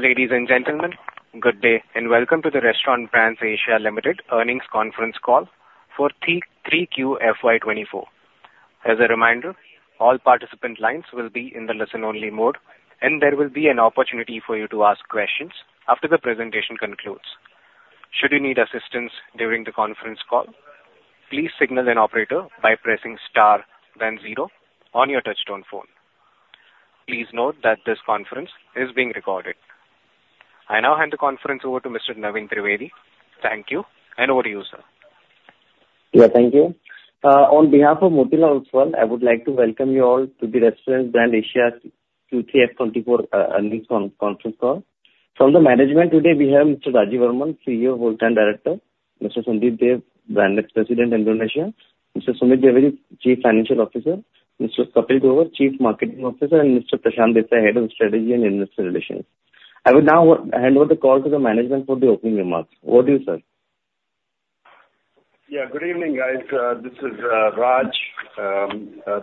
Ladies and gentlemen, good day, and welcome to the Restaurant Brands Asia Limited earnings conference call for Q3 FY24. As a reminder, all participant lines will be in the listen-only mode, and there will be an opportunity for you to ask questions after the presentation concludes. Should you need assistance during the conference call, please signal an operator by pressing star then zero on your touchtone phone. Please note that this conference is being recorded. I now hand the conference over to Mr. Naveen Trivedi. Thank you, and over to you, sir. Yeah, thank you. On behalf of Motilal Oswal, I would like to welcome you all to the Restaurant Brands Asia Q3 FY24 earnings conference call. From the management today, we have Mr. Rajeev Varman, CEO, Whole Time Director; Mr. Sandeep Dey, Brand President, Indonesia; Mr. Sumit Zaveri, Chief Financial Officer; Mr. Kapil Grover, Chief Marketing Officer, and Mr. Prashant Desai, Head of Strategy and Investor Relations. I will now hand over the call to the management for the opening remarks. Over to you, sir. Yeah, good evening, guys. This is Raj.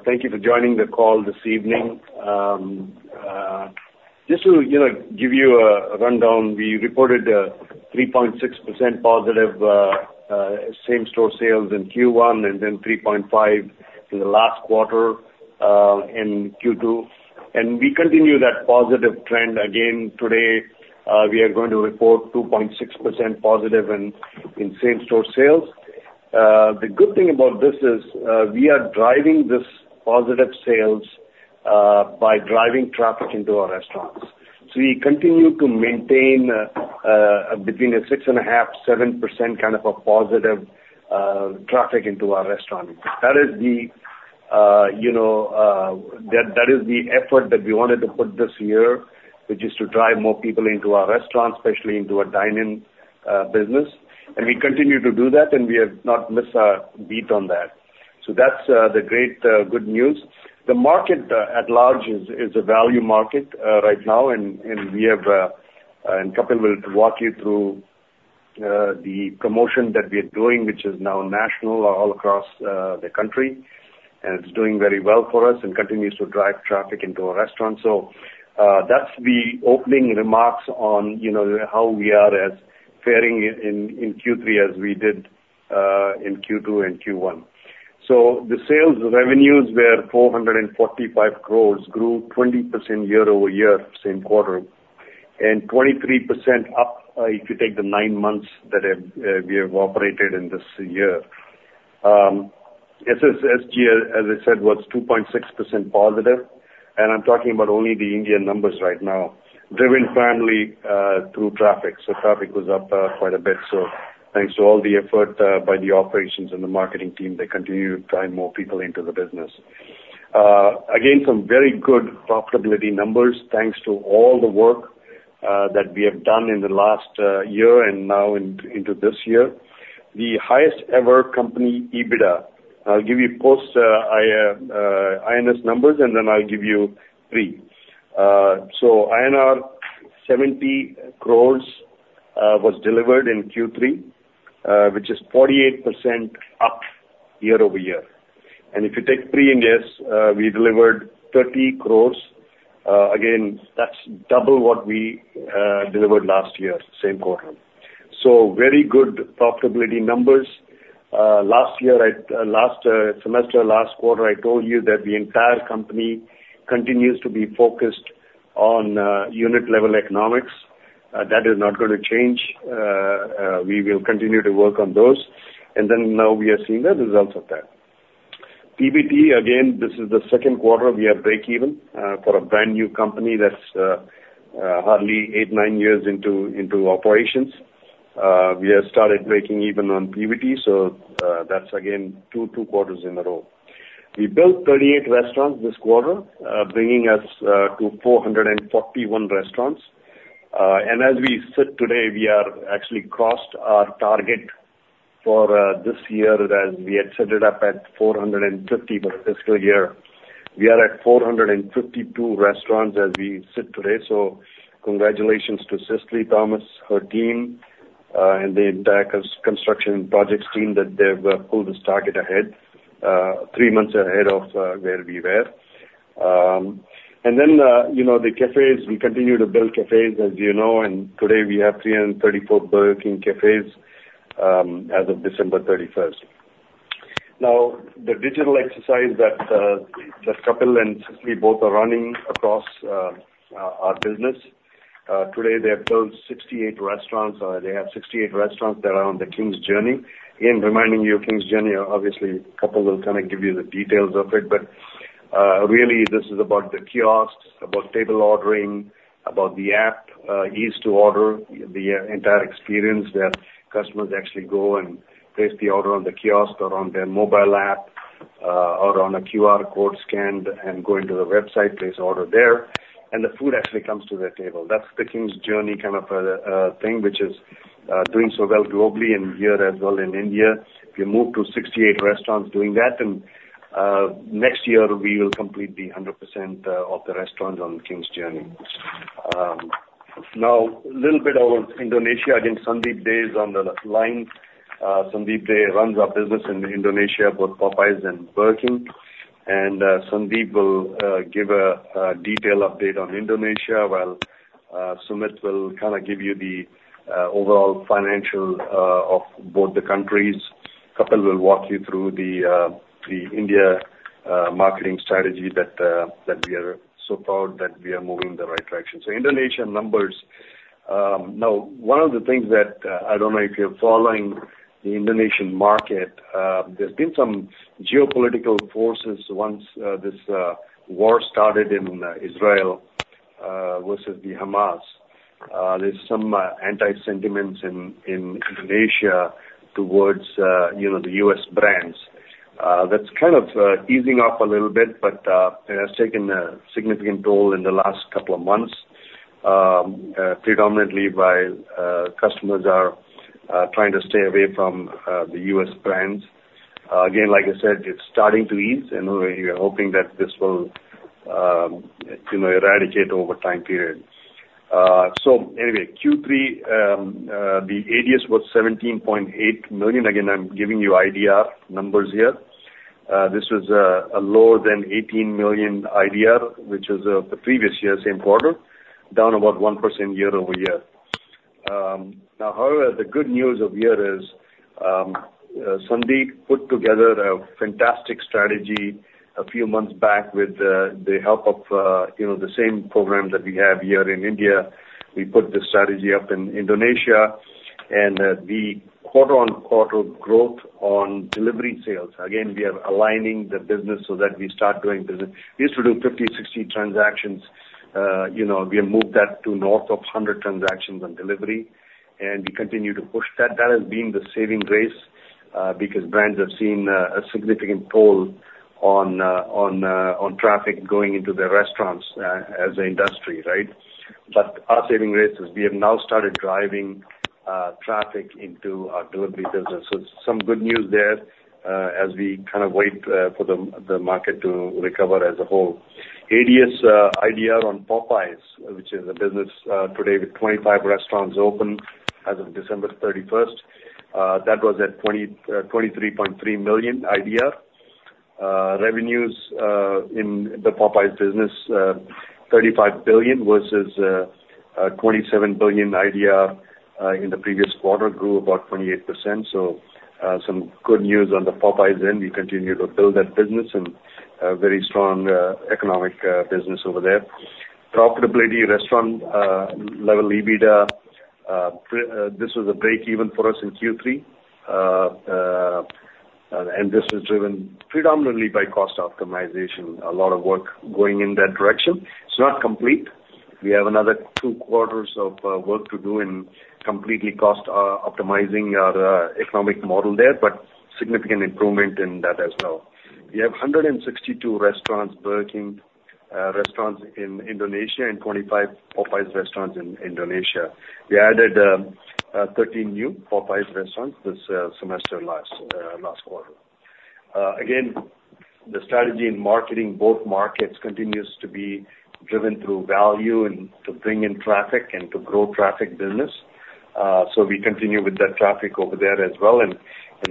Thank you for joining the call this evening. Just to, you know, give you a rundown, we reported 3.6% positive same-store sales in Q1 and then 3.5 in the last quarter, in Q2. We continue that positive trend again today. We are going to report 2.6% positive in same-store sales. The good thing about this is, we are driving this positive sales by driving traffic into our restaurants. So we continue to maintain between 6.5 and 7% kind of a positive traffic into our restaurant. That is the, you know, that, that is the effort that we wanted to put this year, which is to drive more people into our restaurants, especially into our dine-in business. We continue to do that, and we have not missed a beat on that. So that's the great good news. The market at large is a value market right now, and we have, and Kapil will walk you through the promotion that we are doing, which is now national all across the country, and it's doing very well for us and continues to drive traffic into our restaurants. So that's the opening remarks on, you know, how we are as faring in Q3 as we did in Q2 and Q1. The sales revenues were 445 crore, grew 20% year-over-year same quarter, and 23% up, if you take the 9 months that have we have operated in this year. SSSG, as I said, was 2.6% positive, and I'm talking about only the Indian numbers right now, driven primarily through traffic. So traffic was up quite a bit. So thanks to all the effort by the operations and the marketing team, they continue to drive more people into the business. Again, some very good profitability numbers, thanks to all the work that we have done in the last year and now into this year. The highest ever company EBITDA. I'll give you post Ind AS numbers, and then I'll give you three. So INR 70 crores was delivered in Q3, which is 48% up year-over-year. And if you take pre-Ind AS, we delivered 30 crores. Again, that's double what we delivered last year, same quarter. So very good profitability numbers. Last year, last quarter, I told you that the entire company continues to be focused on unit level economics. That is not going to change. We will continue to work on those, and then now we are seeing the results of that. PBT, again, this is the second quarter we are breakeven, for a brand new company that's hardly 8-9 years into operations. We have started breaking even on PBT, so that's again two quarters in a row. We built 38 restaurants this quarter, bringing us to 441 restaurants. As we sit today, we are actually crossed our target for this year as we had set it up at 450 for fiscal year. We are at 452 restaurants as we sit today. So congratulations to Cicily Thomas, her team, and the entire construction projects team that they've pulled this target ahead three months ahead of where we were. And then, you know, the cafes, we continue to build cafes, as you know, and today we have 334 Burger King cafes as of December 31st. Now, the digital experience that that Kapil and Cicily both are running across our business. Today, they have built 68 restaurants. They have 68 restaurants that are on the King's Journey. Again, reminding you of King's Journey, obviously, Kapil will kind of give you the details of it, but really this is about the kiosks, about table ordering, about the app, ease to order, the entire experience where customers actually go and place the order on the kiosk or on their mobile app, or on a QR code scanned and go into the website, place order there, and the food actually comes to their table. That's the King's Journey kind of thing, which is doing so well globally and here as well in India. We moved to 68 restaurants doing that, and next year we will complete the 100% of the restaurants on King's Journey. Now, little bit about Indonesia. Again, Sandeep Dey is on the line. Sandeep Dey runs our business in Indonesia, both Popeyes and Burger King. And, Sandeep will give a detailed update on Indonesia, while Sumit will kind of give you the overall financial of both the countries. Kapil will walk you through the India marketing strategy that we are so proud that we are moving in the right direction. So Indonesia numbers, now, one of the things that I don't know if you're following the Indonesian market, there's been some geopolitical forces once this war started in Israel versus the Hamas. There's some anti-sentiments in Indonesia towards, you know, the U.S. brands. That's kind of easing up a little bit, but it has taken a significant toll in the last couple of months, predominantly by customers are trying to stay away from the US brands. Again, like I said, it's starting to ease, and we are hoping that this will, you know, eradicate over time period. So anyway, Q3, the ADS was 17.8 million. Again, I'm giving you IDR numbers here. This was a lower than 18 million IDR, which is the previous year, same quarter, down about 1% year-over-year. Now, however, the good news of here is, Sandeep put together a fantastic strategy a few months back with the help of, you know, the same program that we have here in India. We put the strategy up in Indonesia, and the quarter-on-quarter growth on delivery sales. Again, we are aligning the business so that we start doing business. We used to do 50, 60 transactions, you know, we have moved that to north of 100 transactions on delivery, and we continue to push that. That has been the saving grace, because brands have seen a significant toll on traffic going into the restaurants, as an industry, right? But our saving grace is we have now started driving traffic into our delivery business. So some good news there, as we kind of wait for the market to recover as a whole. ADS in IDR on Popeyes, which is a business today with 25 restaurants open as of December 31, that was at 23.3 million IDR. Revenues in the Popeyes business, 35 billion versus 27 billion IDR in the previous quarter, grew about 28%. So, some good news on the Popeyes end. We continue to build that business and a very strong economic business over there. Profitability, restaurant level, EBITDA, this was a break even for us in Q3. And this is driven predominantly by cost optimization. A lot of work going in that direction. It's not complete. We have another two quarters of work to do in completely cost optimizing our economic model there, but significant improvement in that as well. We have 162 restaurants, Burger King restaurants in Indonesia and 25 Popeyes restaurants in Indonesia. We added 13 new Popeyes restaurants this semester last quarter. Again, the strategy in marketing both markets continues to be driven through value and to bring in traffic and to grow traffic business. So we continue with that traffic over there as well, and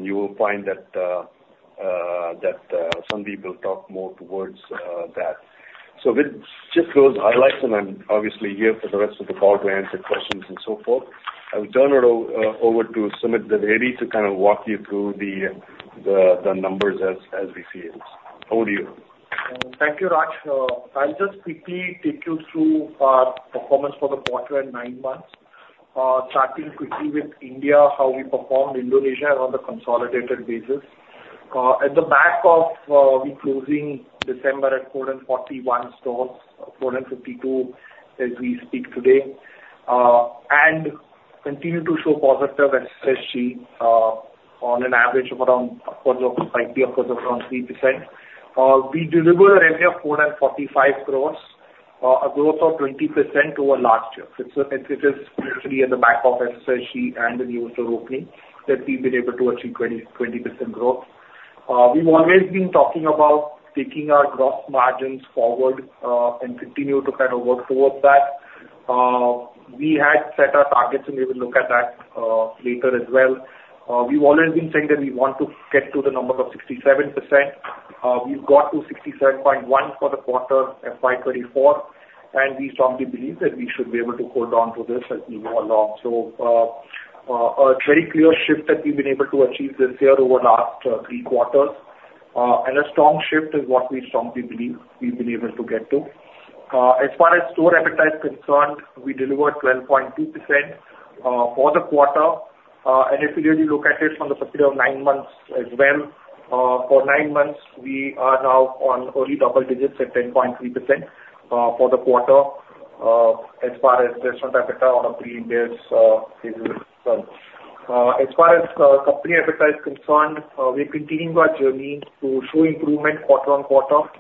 you will find that Sandeep will talk more towards that. So with just those highlights, and I'm obviously here for the rest of the call to answer questions and so forth, I will turn it over to Sumit Zaveri to kind of walk you through the numbers as we see it. Over to you. Thank you, Raj. I'll just quickly take you through our performance for the quarter and nine months. Starting quickly with India, how we performed in Indonesia and on the consolidated basis. On the back of us closing December at 441 stores, 452 as we speak today, and continue to show positive SSG on an average of around 3%. We delivered a revenue of 445 crores, a growth of 20% over last year. So it is literally on the back of SSG and the new store opening that we've been able to achieve 20% growth. We've always been talking about taking our gross margins forward and continue to kind of work towards that. We had set our targets, and we will look at that later as well. We've always been saying that we want to get to the number of 67%. We've got to 67.1 for the quarter, FY 2024, and we strongly believe that we should be able to hold on to this as we go along. So, a very clear shift that we've been able to achieve this year over last three quarters. And a strong shift is what we strongly believe we've been able to get to. As far as store EBITDA is concerned, we delivered 12.2% for the quarter. and if you really look at it from the perspective of nine months as well, for nine months, we are now on early double digits at 10.3%, for the quarter, as far as restaurant EBITDA on a pre-Ind AS basis is concerned. As far as company EBITDA is concerned, we're continuing our journey to show improvement quarter-on-quarter.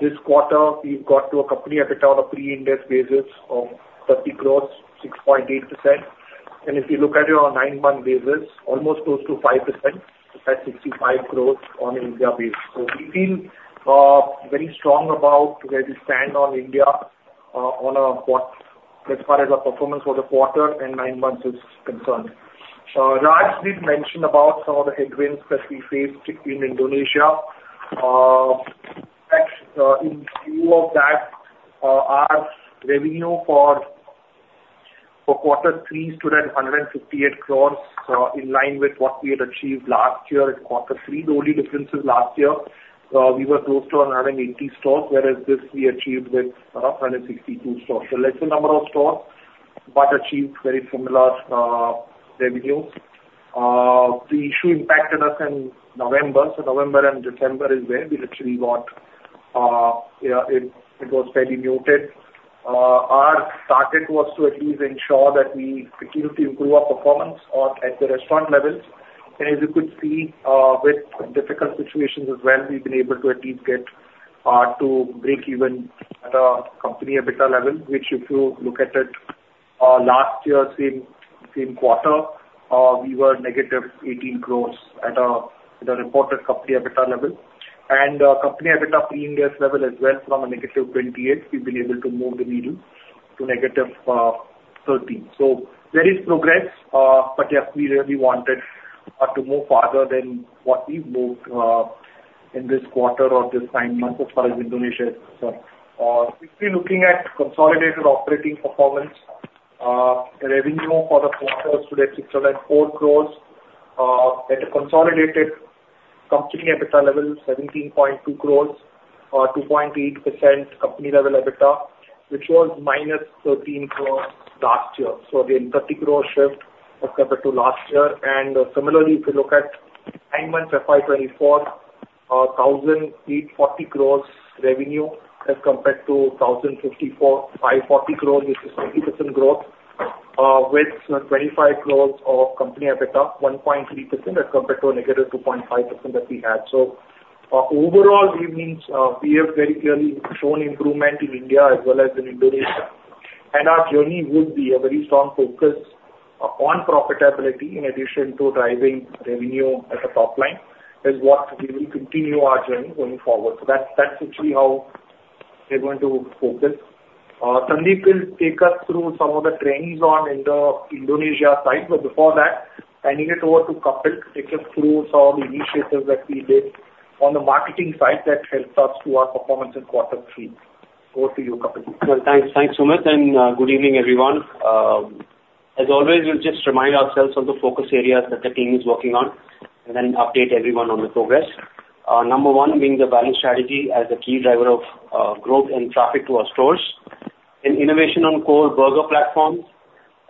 This quarter, we've got to a company EBITDA on a pre-Ind AS basis of 30 crores, 6.8%. And if you look at it on a nine-month basis, almost close to 5% at 65 crores on India base. So we feel very strong about where we stand on India, as far as our performance for the quarter and nine months is concerned. Raj did mention about some of the headwinds that we faced in Indonesia. That's in view of that, our revenue for quarter three stood at 158 crore, in line with what we had achieved last year in quarter three. The only difference is last year we were close to around 80 stores, whereas this we achieved with 162 stores. So lesser number of stores, but achieved very similar revenue. The issue impacted us in November. So November and December is where we literally got it was fairly muted. Our target was to at least ensure that we continue to improve our performance on at the restaurant levels. As you could see, with difficult situations as well, we've been able to at least get to break even at a company EBITDA level, which if you look at it, last year, same quarter, we were -18 crore at a reported company EBITDA level. Company EBITDA pre-Ind AS level as well, from -28 crore, we've been able to move the needle to -13 crore. So there is progress, but yes, we really wanted to move farther than what we moved in this quarter or this nine months as far as Indonesia is concerned. Quickly looking at consolidated operating performance, revenue for the quarter stood at 604 crore. At a consolidated company EBITDA level, 17.2 crores, 2.8% company level EBITDA, which was -13 crores last year. So again, 30 crore shift as compared to last year. And similarly, if you look at nine months, FY 2024, 1,840 crores revenue as compared to 1,540 crores, which is 20% growth, with 25 crores of company EBITDA, 1.3% as compared to a -2.5% that we had. So, overall, it means, we have very clearly shown improvement in India as well as in Indonesia. And our journey would be a very strong focus on profitability in addition to driving revenue at the top line, is what we will continue our journey going forward. So that's, that's actually how we're going to focus. Sandeep will take us through some of the trends on the Indonesia side. But before that, I hand it over to Kapil to take us through some of the initiatives that we did on the marketing side that helped us through our performance in quarter three. Over to you, Kapil. Well, thanks. Thanks, Sumit, and good evening, everyone. As always, we'll just remind ourselves of the focus areas that the team is working on, and then update everyone on the progress. Number 1, being the value strategy as a key driver of growth and traffic to our stores, and innovation on core burger platforms.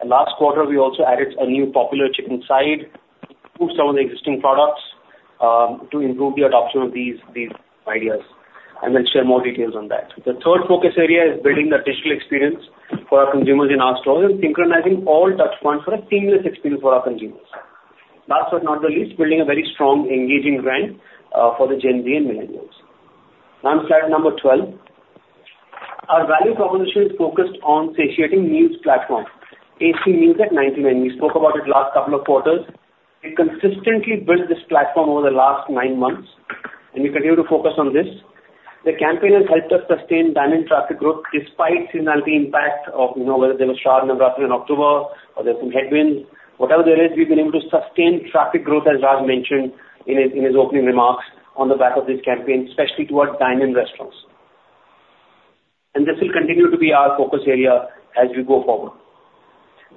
And last quarter, we also added a new popular chicken side to some of the existing products to improve the adoption of these ideas, and we'll share more details on that. The third focus area is building the digital experience for our consumers in our stores and synchronizing all touch points for a seamless experience for our consumers. Last but not the least, building a very strong, engaging brand for the Gen Z and millennials. Now on slide number 12. Our value proposition is focused on satiating meals platform. Tasty Meals at 99. We spoke about it last couple of quarters. We consistently built this platform over the last 9 months, and we continue to focus on this. The campaign has helped us sustain dine-in traffic growth despite seasonality impact of, you know, whether there was Shradh Navratri in October or there were some headwinds. Whatever there is, we've been able to sustain traffic growth, as Raj mentioned in his, in his opening remarks, on the back of this campaign, especially towards dine-in restaurants. And this will continue to be our focus area as we go forward.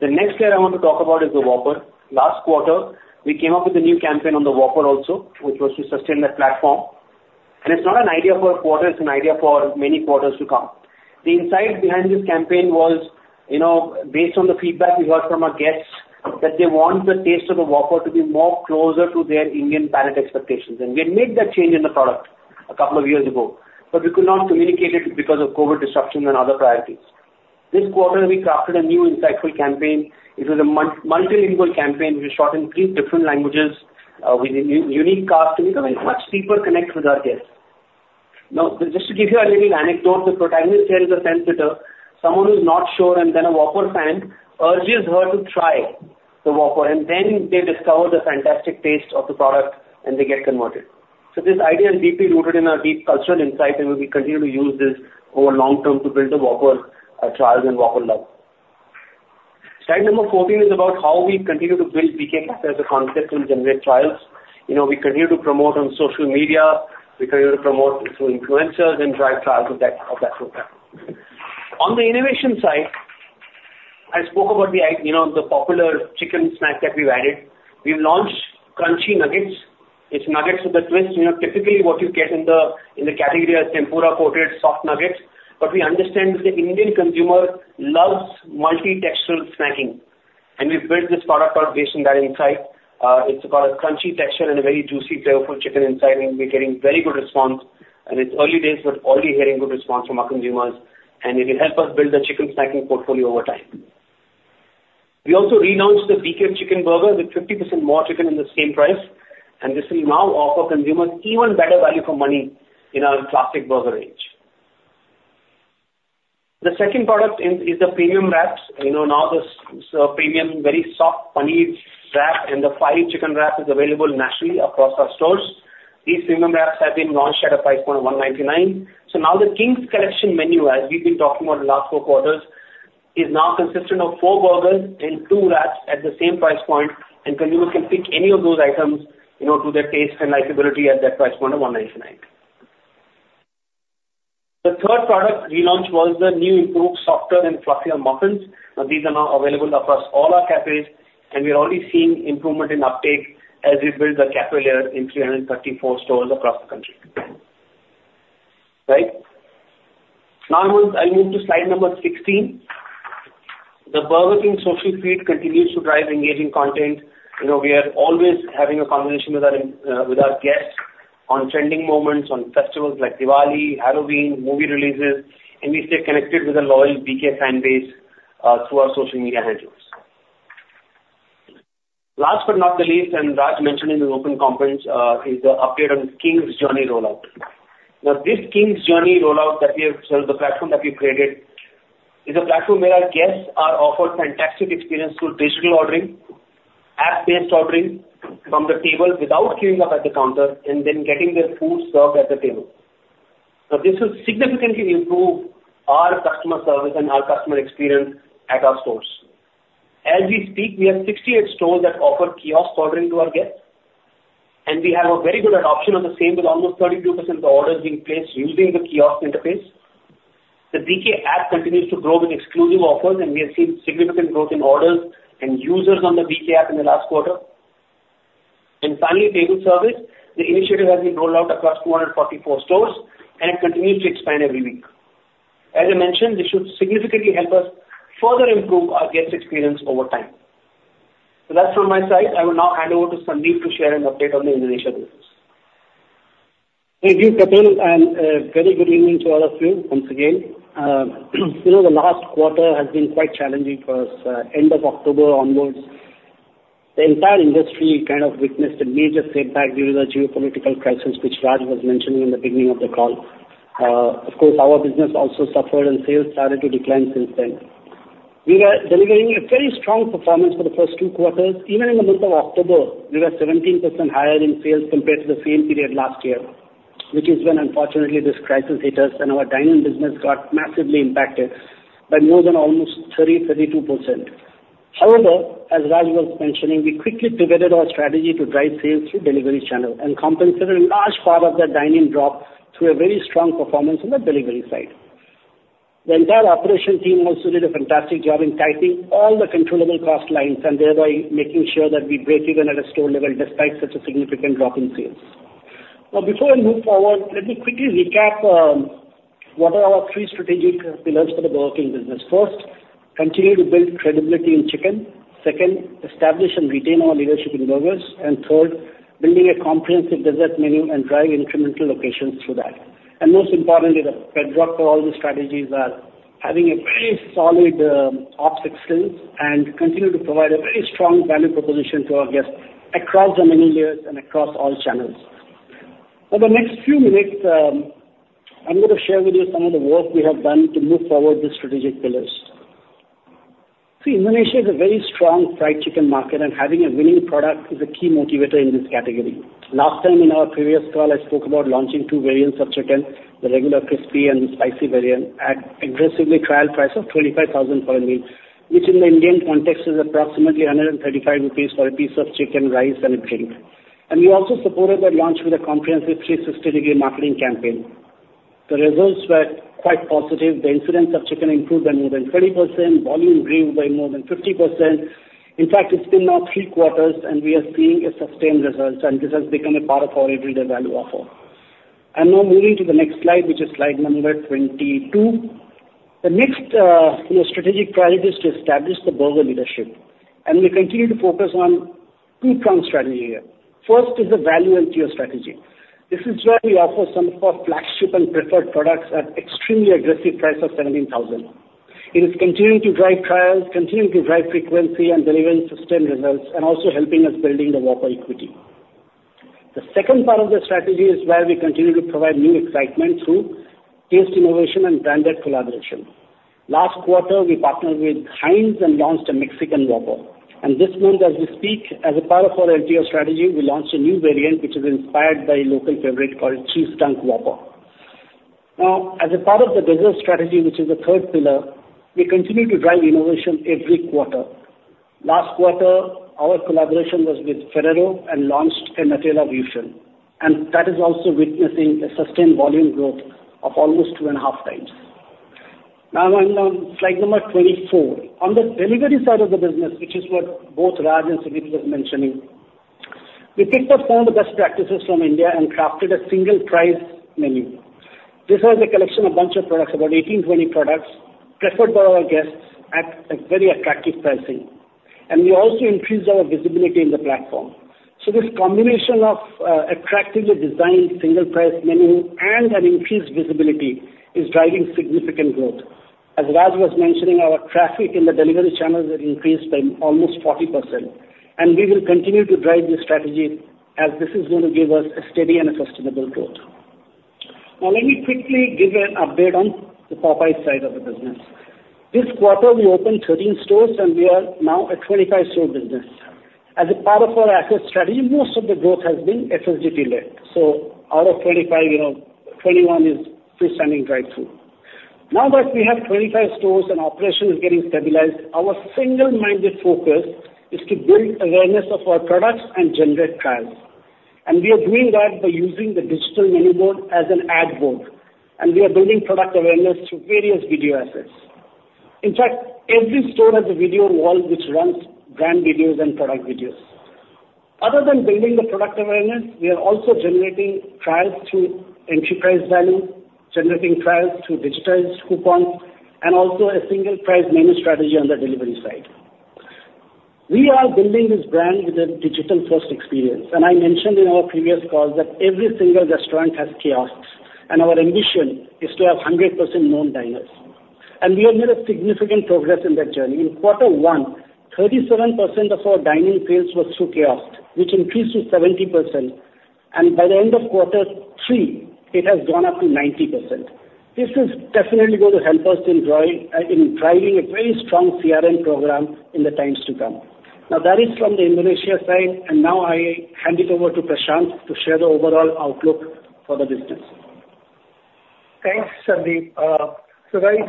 The next area I want to talk about is the Whopper. Last quarter, we came up with a new campaign on the Whopper also, which was to sustain that platform. And it's not an idea for a quarter, it's an idea for many quarters to come. The insight behind this campaign was, you know, based on the feedback we heard from our guests, that they want the taste of a Whopper to be more closer to their Indian palate expectations. We had made that change in the product a couple of years ago, but we could not communicate it because of COVID disruption and other priorities. This quarter, we crafted a new insightful campaign. It was a multilingual campaign. We shot in three different languages with a unique cast, and it was much deeper connect with our guests. Now, just to give you a little anecdote, the protagonist here is a sensitive, someone who's not sure, and then a Whopper fan urges her to try the Whopper, and then they discover the fantastic taste of the product, and they get converted. So this idea is deeply rooted in our deep cultural insight, and we will continue to use this over long term to build the Whopper trials and Whopper love. Slide number 14 is about how we continue to build BK as a concept and generate trials. You know, we continue to promote on social media, we continue to promote through influencers and drive trials of that, of that program. On the innovation side, I spoke about the, you know, the popular chicken snack that we've added. We've launched Crunchy Nuggets. It's nuggets with a twist. You know, typically what you get in the, in the category are tempura-coated soft nuggets, but we understand that the Indian consumer loves multi-textural snacking, and we've built this product out based on that insight. It's got a crunchy texture and a very juicy, flavorful chicken inside, and we're getting very good response. It's early days, but already hearing good response from our consumers, and it will help us build the chicken snacking portfolio over time. We also relaunched the BK chicken burger with 50% more chicken in the same price, and this will now offer consumers even better value for money in our classic burger range. The second product is the premium wraps. You know, now this premium, very soft paneer wrap and the fiery chicken wrap is available nationally across our stores. These premium wraps have been launched at a price point of 199. So now the King's Collection menu, as we've been talking about in the last four quarters, is now consistent of four burgers and two wraps at the same price point, and consumers can pick any of those items, you know, to their taste and likability at that price point of 199. The third product relaunch was the new, improved, softer and fluffier muffins. Now, these are now available across all our cafes, and we are already seeing improvement in uptake as we build the cafe layer in 334 stores across the country. Right. Now, I move to slide number 16. The Burger King social feed continues to drive engaging content. You know, we are always having a conversation with our, with our guests on trending moments, on festivals like Diwali, Halloween, movie releases, and we stay connected with a loyal BK fan base, through our social media handles. Last but not the least, and Raj mentioned in the open conference, is the update on King's Journey rollout. Now, this King's Journey rollout that we have built, the platform that we've created, is a platform where our guests are offered fantastic experience through digital ordering, app-based ordering from the table without queuing up at the counter and then getting their food served at the table. Now, this will significantly improve our customer service and our customer experience at our stores. As we speak, we have 68 stores that offer kiosk ordering to our guests, and we have a very good adoption of the same, with almost 32% of the orders being placed using the kiosk interface. The BK app continues to grow with exclusive offers, and we have seen significant growth in orders and users on the BK app in the last quarter. Finally, table service. The initiative has been rolled out across 244 stores, and it continues to expand every week. As I mentioned, this should significantly help us further improve our guest experience over time. That's from my side. I will now hand over to Sandeep to share an update on the Indonesia business. Thank you, Kapil, and very good evening to all of you once again. You know, the last quarter has been quite challenging for us. End of October onwards, the entire industry kind of witnessed a major setback due to the geopolitical crisis, which Raj was mentioning in the beginning of the call. Of course, our business also suffered, and sales started to decline since then. We were delivering a very strong performance for the first two quarters. Even in the month of October, we were 17% higher in sales compared to the same period last year, which is when, unfortunately, this crisis hit us and our dine-in business got massively impacted by more than almost 30, 32%. However, as Raj was mentioning, we quickly pivoted our strategy to drive sales through delivery channel and compensated a large part of that dine-in drop through a very strong performance on the delivery side. The entire operation team also did a fantastic job in tightening all the controllable cost lines and thereby making sure that we break even at a store level despite such a significant drop in sales. Now, before I move forward, let me quickly recap what are our three strategic pillars for the Burger King business. First, continue to build credibility in chicken. Second, establish and retain our leadership in burgers. And third, building a comprehensive dessert menu and drive incremental locations through that. Most importantly, the bedrock for all these strategies are having a very solid ops excellence and continue to provide a very strong value proposition to our guests across the menu layers and across all channels. For the next few minutes, I'm going to share with you some of the work we have done to move forward these strategic pillars. Indonesia is a very strong fried chicken market, and having a winning product is a key motivator in this category. Last time in our previous call, I spoke about launching two variants of chicken, the regular crispy and spicy variant, at aggressively trial price of 25,000 for a meal, which in the Indian context is approximately 135 rupees for a piece of chicken, rice and a drink. We also supported that launch with a comprehensive 360-degree marketing campaign. The results were quite positive. The incidence of chicken improved by more than 20%, volume grew by more than 50%. In fact, it's been now three quarters and we are seeing a sustained results, and this has become a part of our everyday value offer. Now moving to the next slide, which is slide number 22. The next, you know, strategic priority is to establish the burger leadership, and we continue to focus on two-pronged strategy here. First is the value and tier strategy. This is where we offer some of our flagship and preferred products at extremely aggressive price of 17,000. It is continuing to drive trials, continuing to drive frequency and delivering sustained results, and also helping us building the Whopper equity. The second part of the strategy is where we continue to provide new excitement through taste innovation and branded collaboration. Last quarter, we partnered with Heinz and launched a Mexican Whopper, and this month as we speak, as a part of our LTO strategy, we launched a new variant which is inspired by a local favorite called Cheese Dunk Whopper. Now, as a part of the dessert strategy, which is the third pillar, we continue to drive innovation every quarter. Last quarter, our collaboration was with Ferrero and launched a Nutella Fusion, and that is also witnessing a sustained volume growth of almost 2.5 times. Now, I'm on slide number 24. On the delivery side of the business, which is what both Raj and Sandeep was mentioning, we picked up some of the best practices from India and crafted a single price menu. This was a collection of bunch of products, about 18, 20 products preferred by our guests at a very attractive pricing, and we also increased our visibility in the platform. So this combination of attractively designed single price menu and an increased visibility is driving significant growth. As Raj was mentioning, our traffic in the delivery channels have increased by almost 40%, and we will continue to drive this strategy as this is going to give us a steady and a sustainable growth. Now, let me quickly give you an update on the Popeyes side of the business. This quarter, we opened 13 stores, and we are now a 25-store business. As a part of our asset strategy, most of the growth has been FSDT led, so out of 25, you know, 21 is freestanding drive-thru. Now that we have 25 stores and operation is getting stabilized, our single-minded focus is to build awareness of our products and generate trials. We are doing that by using the digital menu board as an ad board, and we are building product awareness through various video assets. In fact, every store has a video wall which runs brand videos and product videos. Other than building the product awareness, we are also generating trials through enterprise value, generating trials through digitized coupons, and also a single price menu strategy on the delivery side. We are building this brand with a digital-first experience, and I mentioned in our previous calls that every single restaurant has kiosks, and our ambition is to have 100% known diners. We have made a significant progress in that journey. In quarter one, 37% of our dine-in sales was through kiosks, which increased to 70%, and by the end of quarter three, it has gone up to 90%. This is definitely going to help us to enjoy in driving a very strong CRM program in the times to come. Now, that is from the Indonesia side, and now I hand it over to Prashant to share the overall outlook for the business. Thanks, Sandeep. So guys,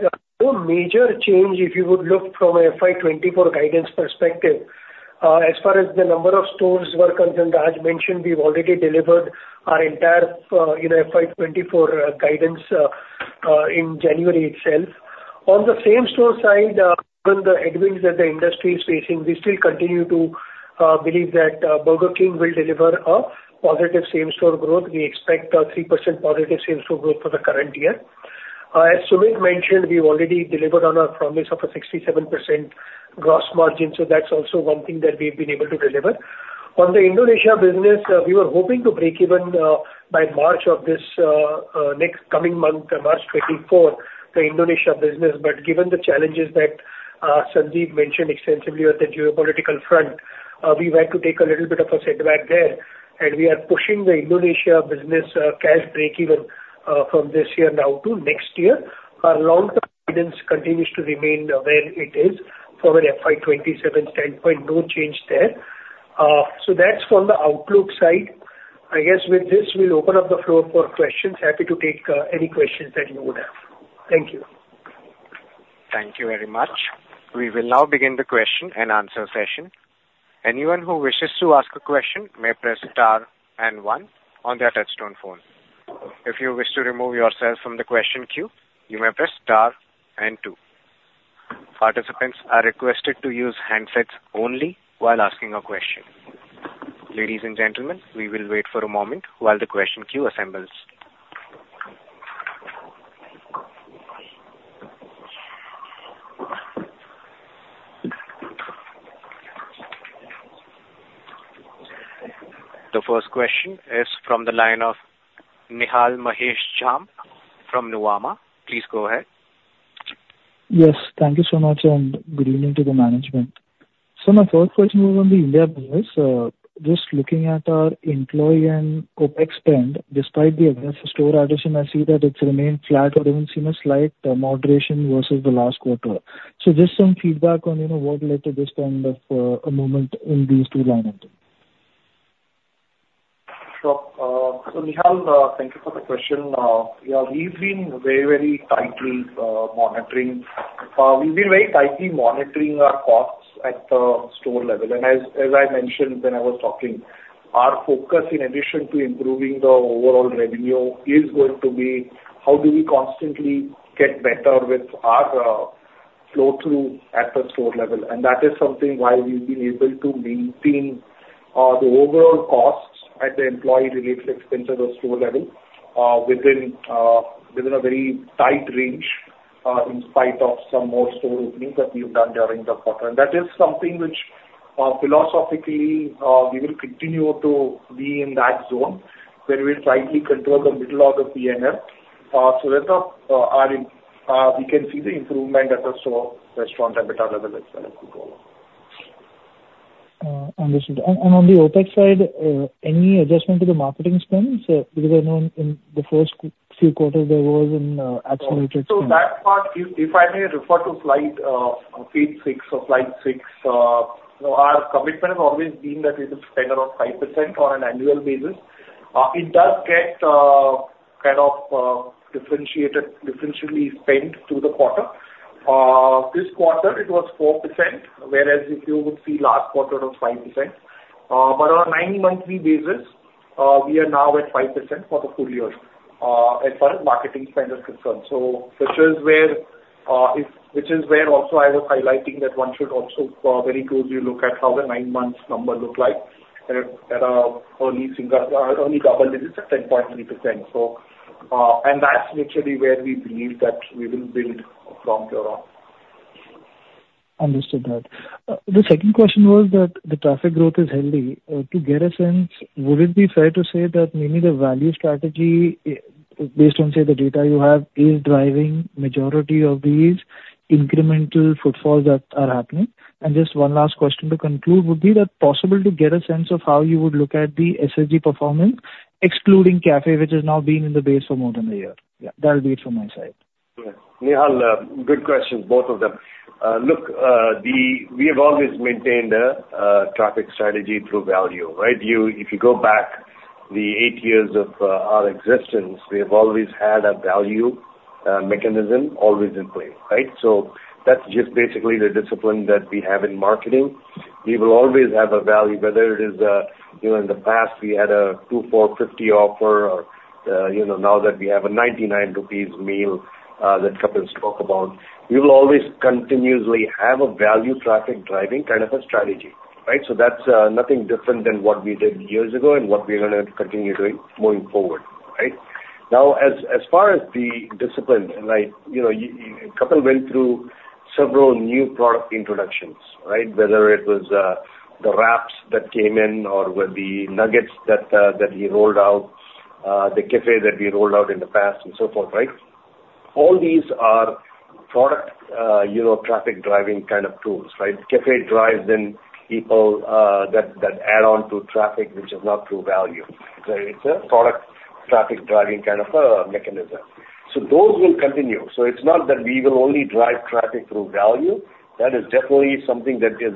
no major change if you would look from a FY 2024 guidance perspective. As far as the number of stores were concerned, Raj mentioned we've already delivered our entire, you know, FY 2024, guidance, in January itself. On the same store side, given the headwinds that the industry is facing, we still continue to believe that, Burger King will deliver a positive same store growth. We expect a 3% positive same store growth for the current year. As Sumit mentioned, we already delivered on our promise of a 67% gross margin, so that's also one thing that we've been able to deliver. On the Indonesia business, we were hoping to break even, by March of this, next coming month, March 2024, the Indonesia business. But given the challenges that, Sandeep mentioned extensively on the geopolitical front, we had to take a little bit of a setback there, and we are pushing the Indonesia business, cash breakeven, from this year now to next year. Our long-term guidance continues to remain where it is from an FY 2027 standpoint, no change there. So that's from the outlook side. I guess with this, we'll open up the floor for questions. Happy to take, any questions that you would have. Thank you. Thank you very much. We will now begin the question and answer session. Anyone who wishes to ask a question may press star and one on their touchtone phone. If you wish to remove yourself from the question queue, you may press star and two. Participants are requested to use handsets only while asking a question. Ladies and gentlemen, we will wait for a moment while the question queue assembles. The first question is from the line of Nihal Mahesh Jham from Nuvama. Please go ahead. Yes, thank you so much, and good evening to the management. So my first question was on the India business. Just looking at our employee and OpEx spend, despite the aggressive store addition, I see that it's remained flat or even seen a slight moderation versus the last quarter. So just some feedback on, you know, what led to this kind of, movement in these two line items? So, Nihal, thank you for the question. Yeah, we've been very, very tightly monitoring. We've been very tightly monitoring our costs at the store level, and as I mentioned when I was talking, our focus in addition to improving the overall revenue is going to be how do we constantly get better with our flow through at the store level? And that is something why we've been able to maintain the overall costs at the employee-related expenses of store level within a very tight range in spite of some more store openings that we've done during the quarter. That is something which, philosophically, we will continue to be in that zone, where we'll tightly control the middle out of PNL, so that we can see the improvement at the store restaurant EBITDA level as well going forward. Understood. And on the OpEx side, any adjustment to the marketing spends? Because I know in the first few quarters there was an accelerated- So that part, if I may refer to slide, page six or slide six, you know, our commitment has always been that it's a spend around 5% on an annual basis. It does get kind of differentiated, differentially spent through the quarter. This quarter it was 4%, whereas if you would see last quarter, it was 5%. But on a nine monthly basis, we are now at 5% for the full year, as far as marketing spend is concerned. So which is where it, which is where also I was highlighting that one should also very closely look at how the nine months number look like at early single, early double digits at 10.3%. That's literally where we believe that we will build from here on. Understood that. The second question was that the traffic growth is healthy. To get a sense, would it be fair to say that maybe the value strategy, based on, say, the data you have, is driving majority of these incremental footfalls that are happening? Just one last question to conclude, would be that possible to get a sense of how you would look at the SSG performance, excluding cafe, which has now been in the base for more than a year? Yeah, that'll be it from my side. Yeah. Nihal, good questions, both of them. Look, we have always maintained a traffic strategy through value, right? You. If you go back the 8 years of our existence, we have always had a value mechanism always in play, right? So that's just basically the discipline that we have in marketing. We will always have a value, whether it is, you know, in the past we had a 2 for 50 offer, or, you know, now that we have a 99 rupees meal, that Kapil spoke about. We will always continuously have a value traffic driving kind of a strategy, right? So that's nothing different than what we did years ago and what we're gonna continue doing moving forward, right? Now, as far as the discipline, like, you know, Kapil went through several new product introductions, right? Whether it was the wraps that came in or the nuggets that we rolled out, the cafe that we rolled out in the past and so forth, right? All these are product, you know, traffic driving kind of tools, right? Cafe drives in people that add on to traffic, which is not through value. So it's a product traffic driving kind of mechanism. So those will continue. So it's not that we will only drive traffic through value. That is definitely something that is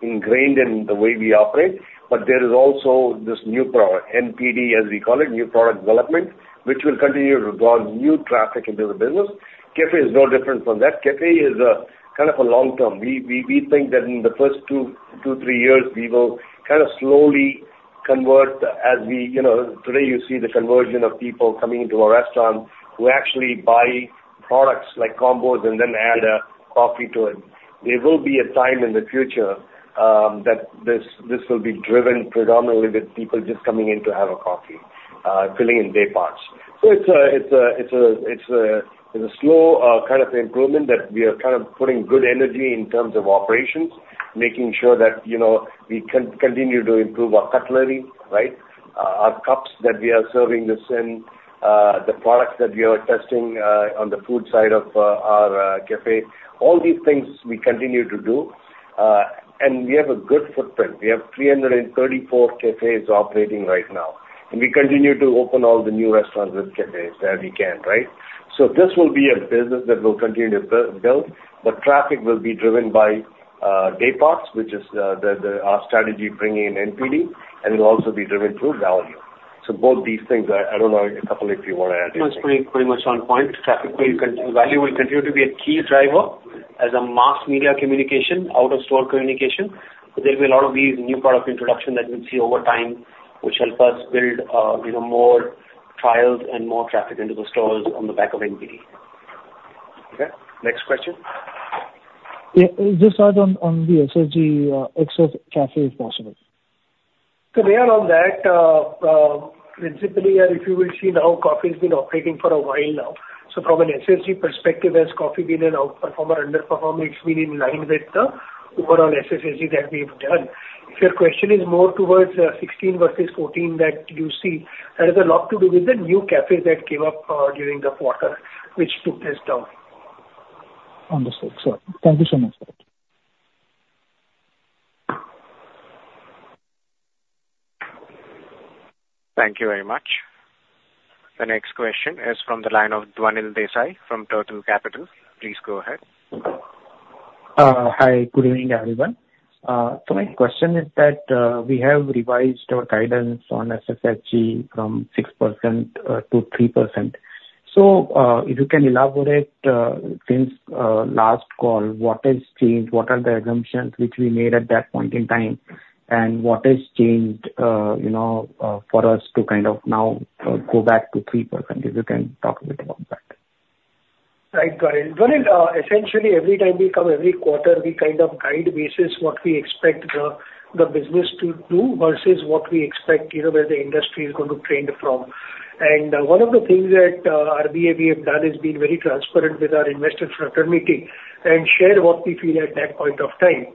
ingrained in the way we operate. But there is also this new product, NPD, as we call it, new product development, which will continue to draw new traffic into the business. Cafe is no different from that. Cafe is a kind of a long term. We think that in the first two to three years, we will kind of slowly convert as we. You know, today, you see the conversion of people coming into our restaurant who actually buy products like combos and then add a coffee to it. There will be a time in the future that this will be driven predominantly with people just coming in to have a coffee, filling in day parts. So it's a slow kind of improvement that we are kind of putting good energy in terms of operations, making sure that, you know, we continue to improve our cutlery, right? Our cups that we are serving this in, the products that we are testing on the food side of our cafe, all these things we continue to do. And we have a good footprint. We have 334 cafes operating right now, and we continue to open all the new restaurants with cafes where we can, right? So this will be a business that will continue to build, but traffic will be driven by day parts, which is our strategy bringing in NPD, and it will also be driven through value. So both these things, I don't know, Kapil, if you want to add anything. Pretty much on point. Traffic value will continue to be a key driver as a mass media communication, out of store communication. There will be a lot of these new product introduction that we'll see over time, which help us build, you know, more trials and more traffic into the stores on the back of NPD. Okay, next question. Yeah, just add on, on the SSG, BK Cafe, if possible. So Nihal, on that, principally, if you will see now, coffee's been operating for a while now. So from an SSG perspective, has coffee been an outperformer, underperformer? It's been in line with the overall SSG that we've done. If your question is more towards, 16 versus 14, that you see, that has a lot to do with the new cafes that came up, during the quarter, which took this down. Understood. So thank you so much, sir. Thank you very much. The next question is from the line Dhwanil Desai from Turtle Capital. Please go ahead. Hi. Good evening, everyone. My question is that we have revised our guidance on SSG from 6% to 3%. If you can elaborate since last call, what has changed? What are the assumptions which we made at that point in time, and what has changed, you know, for us to kind of now go back to 3%? If you can talk a bit about that. Right, got it. Dhwanil, essentially, every time we come, every quarter, we kind of guide basis what we expect the business to do versus what we expect, you know, where the industry is going to trend from. One of the things that RBA we have done is been very transparent with our investor fraternity and share what we feel at that point of time.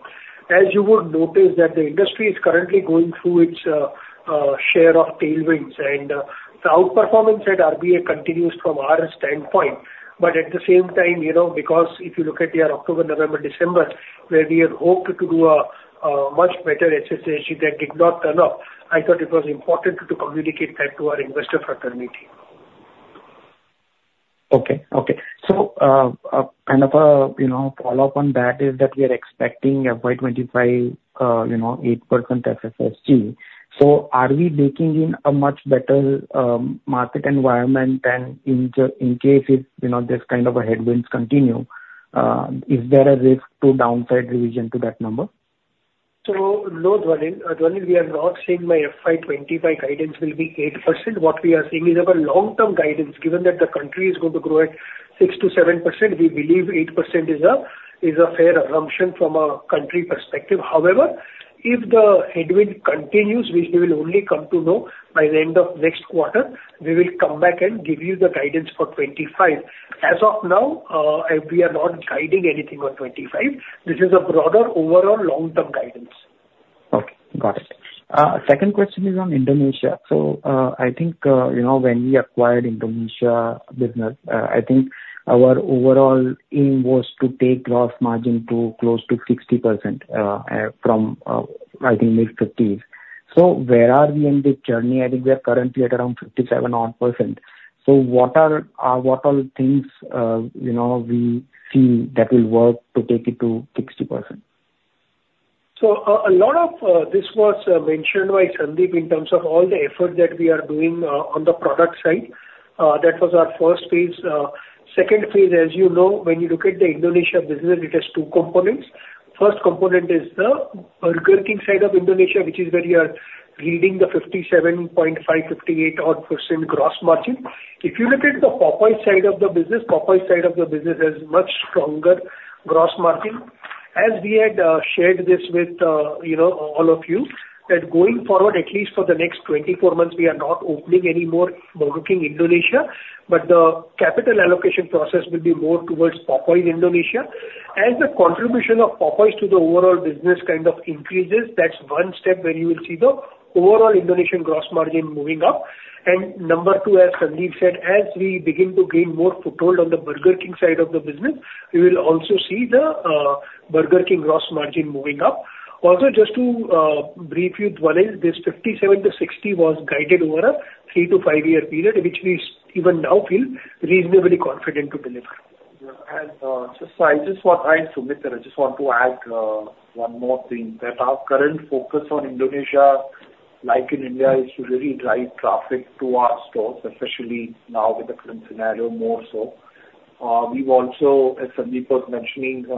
As you would notice that the industry is currently going through its share of tailwinds, and the outperformance at RBA continues from our standpoint. But at the same time, you know, because if you look at your October, November, December, where we had hoped to do a much better SSG that did not turn up, I thought it was important to communicate that to our investor fraternity. Okay. Okay. So, kind of a, you know, follow-up on that is that we are expecting FY 2025, you know, 8% SSG. So are we baking in a much better market environment than in the case if, you know, this kind of a headwinds continue, is there a risk to downside revision to that number? So no, Dhwanil. Dhwanil, we are not saying my FY 25 guidance will be 8%. What we are saying is our long-term guidance, given that the country is going to grow at 6%-7%, we believe 8% is a fair assumption from a country perspective. However, if the headwind continues, we will only come to know by the end of next quarter. We will come back and give you the guidance for 25. As of now, we are not guiding anything on 25. This is a broader, overall long-term guidance. Okay, got it. Second question is on Indonesia. So, I think, you know, when we acquired Indonesia business, I think our overall aim was to take gross margin to close to 60%, from, I think mid-50s. So where are we in this journey? I think we are currently at around 57-odd%. So what are, what are the things, you know, we see that will work to take it to 60%? So, a lot of this was mentioned by Sandeep in terms of all the effort that we are doing on the product side. That was our first phase. Second phase, as you know, when you look at the Indonesia business, it has two components. First component is the Burger King side of Indonesia, which is where you are reading the 57.5, 58 odd % gross margin. If you look at the Popeyes side of the business, Popeyes side of the business has much stronger gross margin. As we had shared this with, you know, all of you, that going forward, at least for the next 24 months, we are not opening any more Burger King Indonesia, but the capital allocation process will be more towards Popeyes Indonesia. As the contribution of Popeyes to the overall business kind of increases, that's one step where you will see the overall Indonesian gross margin moving up. And number two, as Sandeep said, as we begin to gain more foothold on the Burger King side of the business, we will also see the, Burger King gross margin moving up. Also, just to, brief you, Dhwalin, this 57-60 was guided over a 3-5-year period, which we even now feel reasonably confident to deliver. So I just want Hi, Sumit, I just want to add one more thing, that our current focus on Indonesia, like in India, is to really drive traffic to our stores, especially now with the current scenario more so. We've also, as Sandeep was mentioning, we are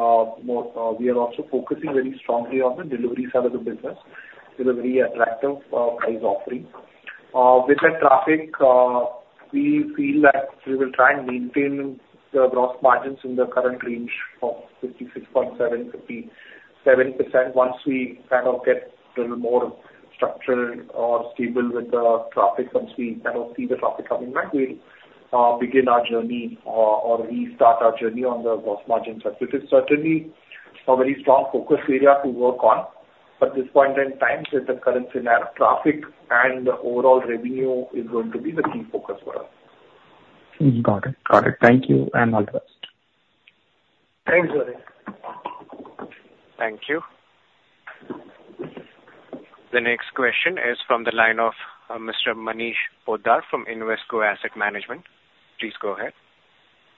also focusing very strongly on the delivery side of the business with a very attractive price offering. With that traffic, we feel that we will try and maintain the gross margins in the current range of 56.7%-57%. Once we kind of get a little more structured or stable with the traffic, once we kind of see the traffic coming back, we'll begin our journey or restart our journey on the gross margin side. So it is certainly a very strong focus area to work on, but at this point in time, with the current scenario, traffic and the overall revenue is going to be the key focus for us. Got it. Got it. Thank you, and all the best. Thanks, Dhwalin. Thank you. The next question is from the line of Mr. Manish Poddar from Invesco Asset Management. Please go ahead.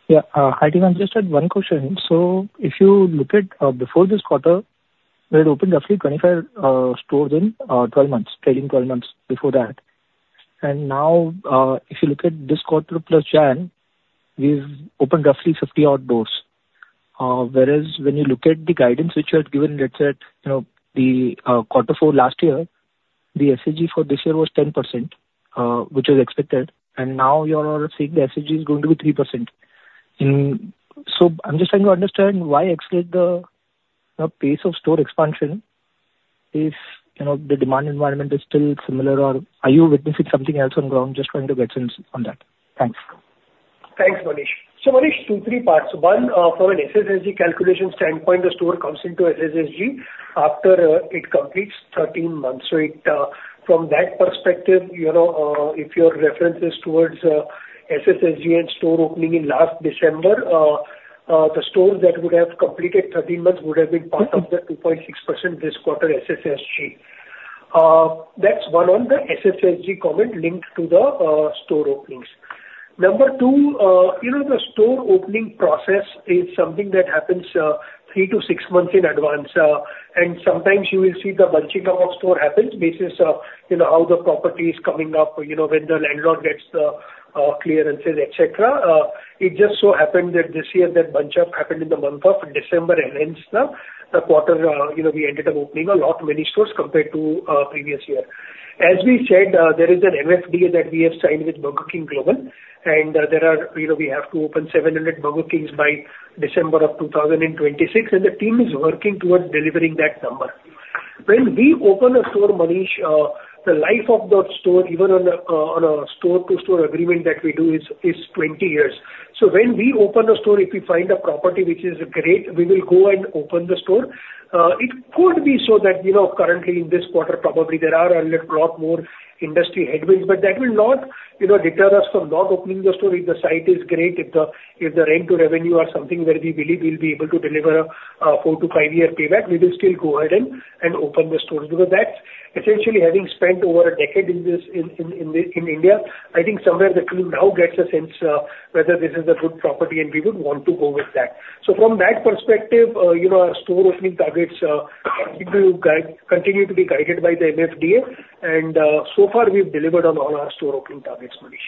Yeah, hi, team. I just had one question. So if you look at before this quarter, we had opened roughly 25 stores in 12 months, 13, 12 months before that. And now, if you look at this quarter plus January, we've opened roughly 50 odd doors. Whereas when you look at the guidance which you had given, let's say, you know, the quarter four last year, the SSG for this year was 10%, which was expected, and now you are saying the SSG is going to be 3%. So I'm just trying to understand why accelerate the pace of store expansion if, you know, the demand environment is still similar, or are you witnessing something else on ground? Just trying to get sense on that. Thanks. Thanks, Manish. So Manish, two, three parts. One, from an SSSG calculation standpoint, the store comes into SSSG after it completes 13 months. So it, from that perspective, you know, if your reference is towards SSSG and store opening in last December, the stores that would have completed 13 months would have been part of the 2.6% this quarter SSSG. That's one on the SSSG comment linked to the store openings. Number two, you know, the store opening process is something that happens 3-6 months in advance. And sometimes you will see the bunching up of store happens because of, you know, how the property is coming up, you know, when the landlord gets the clearances, et cetera. It just so happened that this year, that bunch-up happened in the month of December, and hence the, the quarter, you know, we ended up opening a lot many stores compared to previous year. As we said, there is an MFDA that we have signed with Burger King Global, and there are... You know, we have to open 700 Burger Kings by December of 2026, and the team is working towards delivering that number. When we open a store, Manish, the life of that store, even on a, on a store-to-store agreement that we do, is 20 years. So when we open a store, if we find a property which is great, we will go and open the store. It could be so that, you know, currently in this quarter, probably there are a lot more industry headwinds, but that will not, you know, deter us from not opening the store. If the site is great, if the, if the rent to revenue are something where we believe we'll be able to deliver a 4-5-year payback, we will still go ahead and open the store. Because that's essentially having spent over a decade in this in India, I think somewhere the team now gets a sense whether this is a good property, and we would want to go with that. So from that perspective, you know, our store opening targets continue to guide, continue to be guided by the MFDA, and so far we've delivered on all our store opening targets, Manish.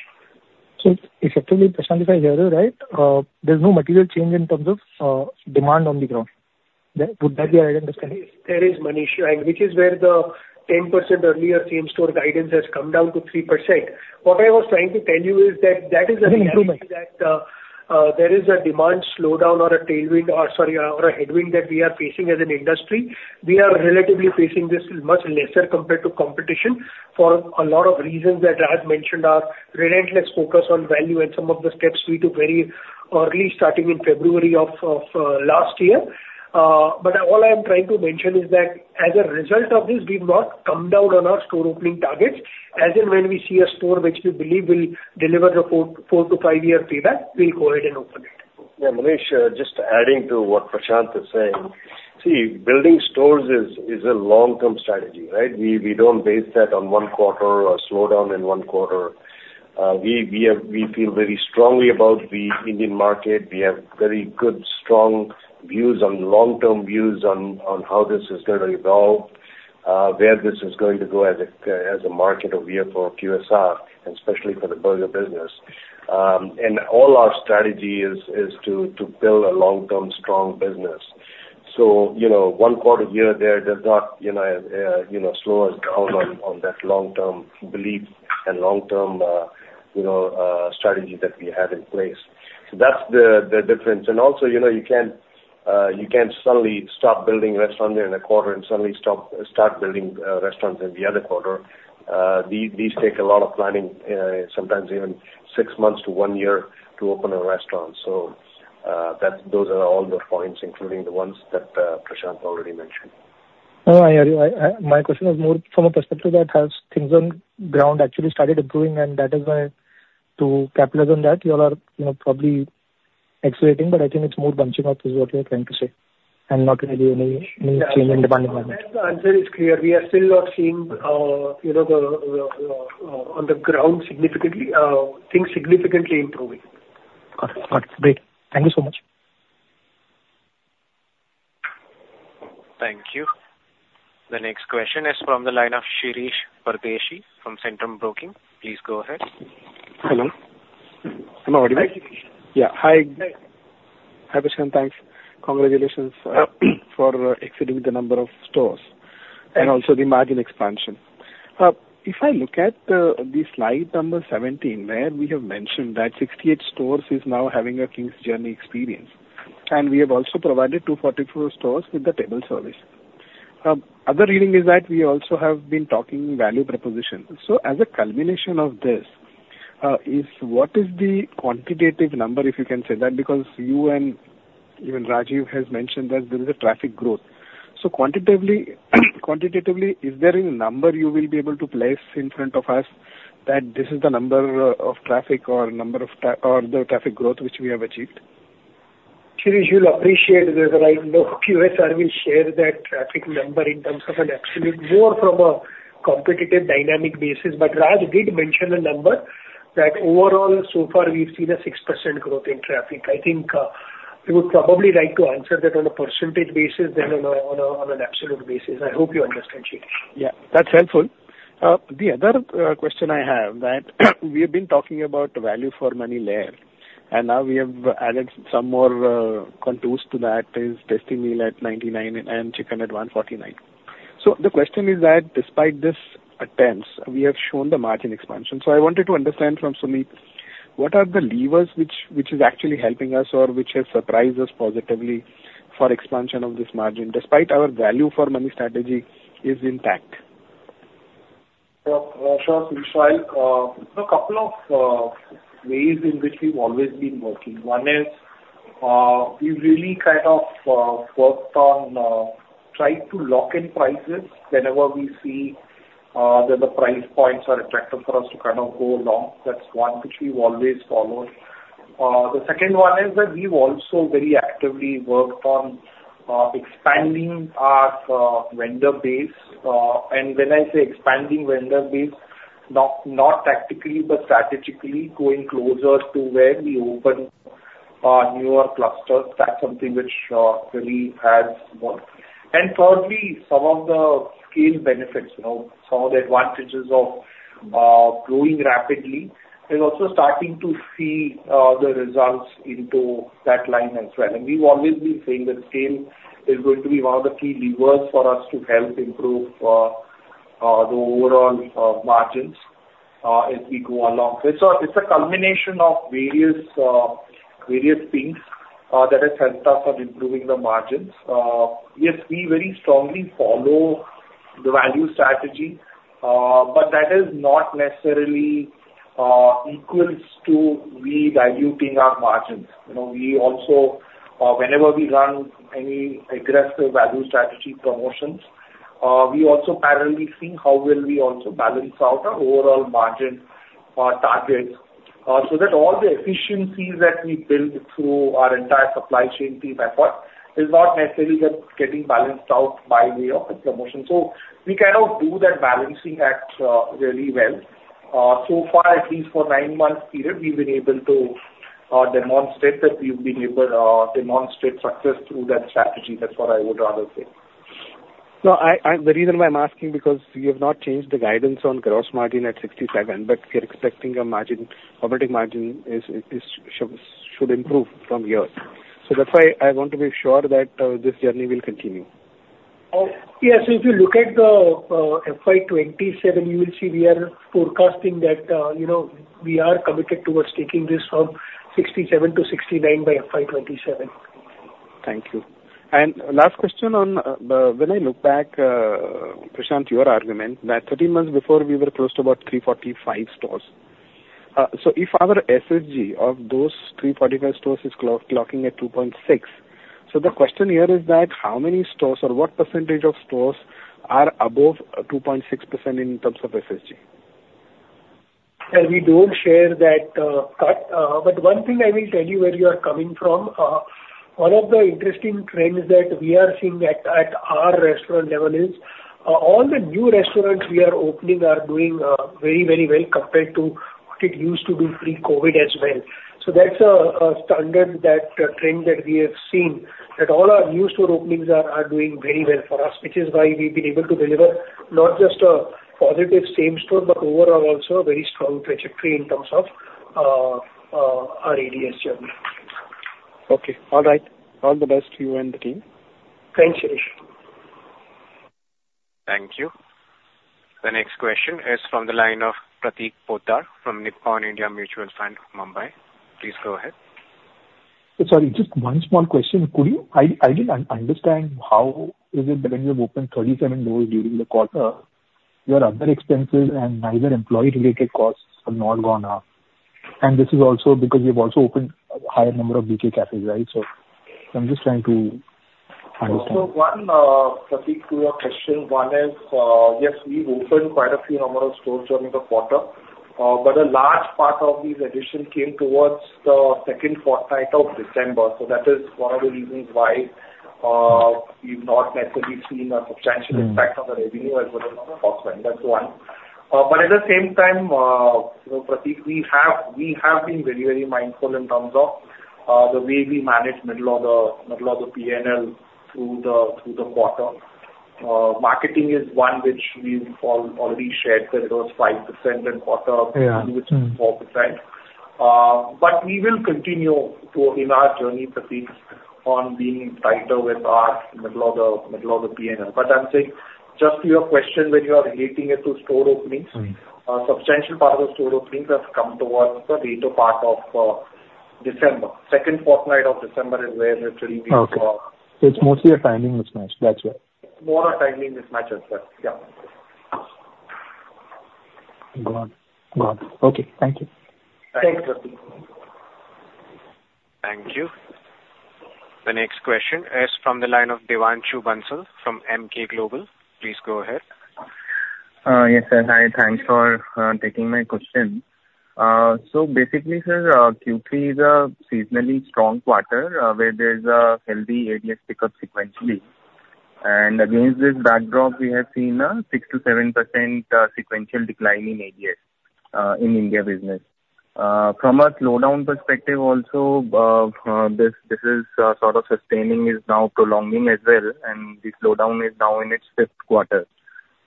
So effectively, Prashant, if I hear you right, there's no material change in terms of demand on the ground. Would that be a right understanding? There is, Manish, which is where the 10% earlier same store guidance has come down to 3%. What I was trying to tell you is that that is a reality- that there is a demand slowdown or a tailwind or, sorry, or a headwind that we are facing as an industry. We are relatively facing this much lesser compared to competition for a lot of reasons that Raj mentioned, our relentless focus on value and some of the steps we took very early, starting in February of last year. But all I'm trying to mention is that as a result of this, we've not come down on our store opening targets. As and when we see a store which we believe will deliver the 4- to 5-year payback, we'll go ahead and open it. Yeah, Manish, just adding to what Prashant is saying. See, building stores is a long-term strategy, right? We don't base that on one quarter or a slowdown in one quarter. We feel very strongly about the Indian market. We have very good, strong views on, long-term views on, on how this is going to evolve, where this is going to go as a, as a market or vehicle of QSR and especially for the burger business. And all our strategy is to build a long-term, strong business. So, you know, one quarter here, there, does not, you know, you know, slow us down on, on that long-term belief and long-term, you know, strategy that we have in place. So that's the difference. Also, you know, you can't suddenly stop building a restaurant in a quarter and suddenly start building restaurants in the other quarter. These take a lot of planning, sometimes even 6 months to 1 year to open a restaurant. So, those are all the points, including the ones that Prashant already mentioned. No, I hear you. I. My question was more from a perspective that has things on ground actually started improving, and that is why, to capitalize on that, you all are, you know, probably accelerating, but I think it's more bunching up is what you are trying to say, and not really any, any change in the planning margin. The answer is clear. We are still not seeing, you know, on the ground significantly, things significantly improving. Got it. Got it. Great. Thank you so much. Thank you. The next question is from the line of Shirish Pardeshi from Centrum Broking. Please go ahead. Hello? Hello, everybody. Yeah, hi. Hi, Prashant, thanks. Congratulations for exceeding the number of stores and also the margin expansion. If I look at the slide number 17, where we have mentioned that 68 stores is now having a King's Journey experience, and we have also provided 244 stores with the table service. Other reading is that we also have been talking value propositions. So as a culmination of this, is what is the quantitative number, if you can say that? Because you and even Rajeev has mentioned that there is a traffic growth. So quantitatively, quantitatively, is there any number you will be able to place in front of us that this is the number of traffic or the traffic growth which we have achieved? Shirish, you'll appreciate that I know QSR will share that traffic number in terms of an absolute, more from a competitive dynamic basis. But Raj did mention a number, that overall, so far we've seen a 6% growth in traffic. I think, he would probably like to answer that on a percentage basis than on an absolute basis. I hope you understand, Shirish. Yeah, that's helpful. The other question I have that we have been talking about value for money layer, and now we have added some more contours to that is tasty meal at 99 and chicken at 149. So the question is that despite this attempts, we have shown the margin expansion. So I wanted to understand from Sumit, what are the levers which, which is actually helping us or which has surprised us positively for expansion of this margin, despite our value for money strategy is intact? Sure, Shirish. A couple of ways in which we've always been working. One is, we really kind of worked on trying to lock in prices whenever we see that the price points are attractive for us to kind of go along. That's one which we've always followed. The second one is that we've also very actively worked on expanding our vendor base. And when I say expanding vendor base, not tactically, but strategically going closer to where we open our newer clusters. That's something which really has worked. And thirdly, some of the scale benefits, you know, some of the advantages of growing rapidly is also starting to see the results into that line as well. We've always been saying that scale is going to be one of the key levers for us to help improve the overall margins as we go along. It's a combination of various things that has helped us on improving the margins. Yes, we very strongly follow the value strategy, but that is not necessarily equals to revaluing our margins. You know, we also, whenever we run any aggressive value strategy promotions, we also parallelly think how will we also balance out our overall margin targets. So that all the efficiencies that we built through our entire supply chain team effort is not necessarily just getting balanced out by way of a promotion. We kind of do that balancing act really well. So far, at least for the nine-month period, we've been able to demonstrate success through that strategy. That's what I would rather say. No. The reason why I'm asking is because you have not changed the guidance on gross margin at 67%, but we are expecting a margin, operating margin should improve from here. So that's why I want to be sure that this journey will continue. Yes, if you look at the FY 2027, you will see we are forecasting that, you know, we are committed towards taking this from 67 to 69 by FY 2027. Thank you. And last question on the, when I look back, Prashant, your argument that 13 months before, we were close to about 345 stores. So if our SSG of those 345 stores is clocking at 2.6, so the question here is that how many stores or what percentage of stores are above 2.6% in terms of SSG? Sir, we don't share that, but, but one thing I will tell you where you are coming from, one of the interesting trends that we are seeing at our restaurant level is, all the new restaurants we are opening are doing very, very well compared to what it used to do pre-COVID as well. So that's a standard that trend that we have seen, that all our new store openings are doing very well for us, which is why we've been able to deliver not just a positive same-store, but overall also a very strong trajectory in terms of our ADS journey. Okay, all right. All the best to you and the team. Thanks, Shirish. Thank you. The next question is from the line ofPratik Poddar from Nippon India Mutual Fund of Mumbai. Please go ahead. Sorry, just one small question. Could you... I didn't understand how is it that when you've opened 37 doors during the quarter, your other expenses and neither employee-related costs have not gone up? And this is also because you've also opened a higher number of BK Cafes, right? So I'm just trying to understand. So one, Pratik, to your question, one is, yes, we've opened quite a few number of stores during the quarter, but a large part of these additions came towards the second fortnight of December. So that is one of the reasons why, we've not necessarily seen a substantial impact- on the revenue as well as on the cost, that's one. But at the same time, you know, Pratik, we have, we have been very, very mindful in terms of the way we manage middle of the PNL through the quarter. Marketing is one which we've already shared, that it was 5% in quarter. Which is 4%. But we will continue to, in our journey, Pratik, on being tighter with our middle of the P&L. But I'm saying, just to your question, when you are relating it to store openings. A substantial part of the store openings has come towards the later part of December. Second fortnight of December is where literally we saw- Okay. It's mostly a timing mismatch. That's it. More a timing mismatch as well. Yeah. Got it. Got it. Okay, thank you. Thanks, Pratik. Thank you. The next question is from the line of Devanshu Bansal from Centrum Broking. Please go ahead. Yes, sir. Hi, thanks for taking my question. So basically, sir, Q3 is a seasonally strong quarter, where there's a healthy ADS pickup sequentially. And against this backdrop, we have seen a 6%-7% sequential decline in ADS in India business. From a slowdown perspective also, this, this is sort of sustaining is now prolonging as well, and the slowdown is now in its fifth quarter.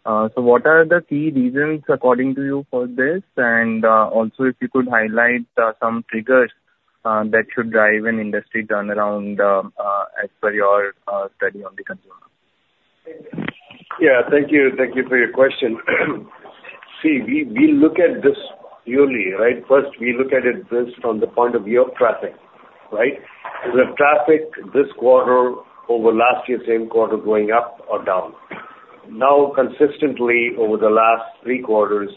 So what are the key reasons, according to you, for this? And also, if you could highlight some triggers that should drive an industry turnaround, as per your study on the consumer. Yeah, thank you. Thank you for your question. See, we look at this yearly, right? First, we look at it based on the point of view of traffic, right? Is the traffic this quarter over last year's same quarter, going up or down? Now, consistently, over the last three quarters,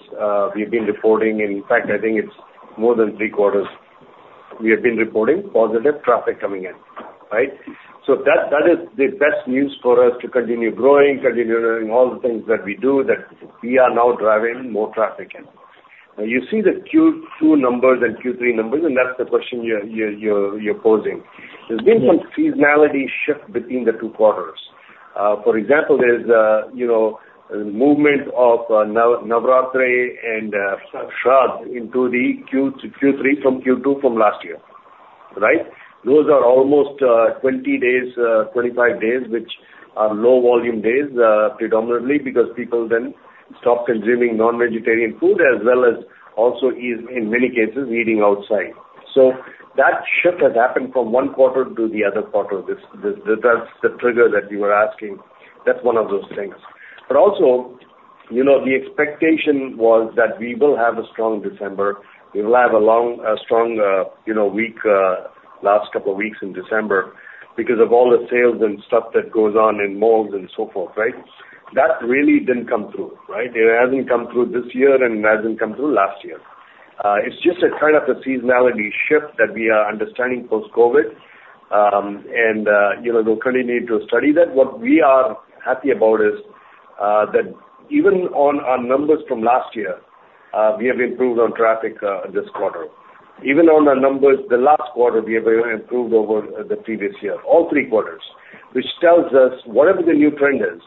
we've been reporting, in fact, I think it's more than three quarters, we have been reporting positive traffic coming in, right? So that is the best news for us to continue growing, continue doing all the things that we do, that we are now driving more traffic in. Now, you see the Q2 numbers and Q3 numbers, and that's the question you're posing. There's been some seasonality shift between the two quarters. For example, there's a, you know, movement of Navratri and Shradh into the Q3 from Q2 from last year, right? Those are almost 20 days, 25 days, which are low volume days, predominantly because people then stop consuming non-vegetarian food, as well as, in many cases, eating outside. So that shift has happened from one quarter to the other quarter. This, that's the trigger that you were asking. That's one of those things. But also, you know, the expectation was that we will have a strong December. We will have a long, strong, you know, week, last couple of weeks in December because of all the sales and stuff that goes on in malls and so forth, right? That really didn't come through, right? It hasn't come through this year and it hasn't come through last year. It's just a kind of a seasonality shift that we are understanding post-COVID, and, you know, we'll continue to study that. What we are happy about is, that even on our numbers from last year, we have improved on traffic, this quarter. Even on our numbers, the last quarter, we have improved over, the previous year, all three quarters, which tells us whatever the new trend is,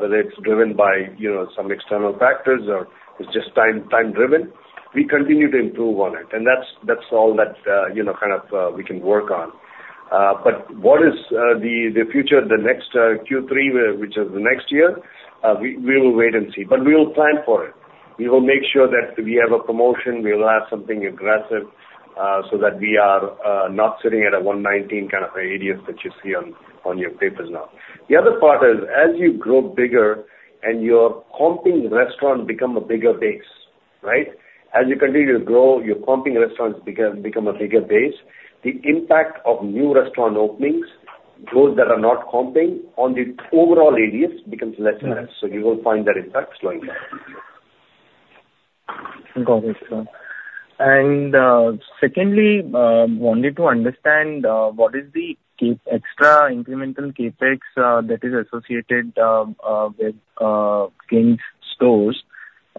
whether it's driven by, you know, some external factors or it's just time, time-driven, we continue to improve on it. And that's, that's all that, you know, kind of, we can work on. But what is, the, the future, the next, Q3, where, which is the next year? We will wait and see, but we will plan for it. We will make sure that we have a promotion, we will have something aggressive, so that we are not sitting at a 119 kind of ADS that you see on your papers now. The other part is, as you grow bigger and your comping restaurant become a bigger base, right? As you continue to grow, your comping restaurants become a bigger base. The impact of new restaurant openings. Those that are not comping on the overall ADS becomes less and less, so you will find that impact slowing down. Got it, sir. And, secondly, wanted to understand what is the extra incremental CapEx that is associated with King's stores?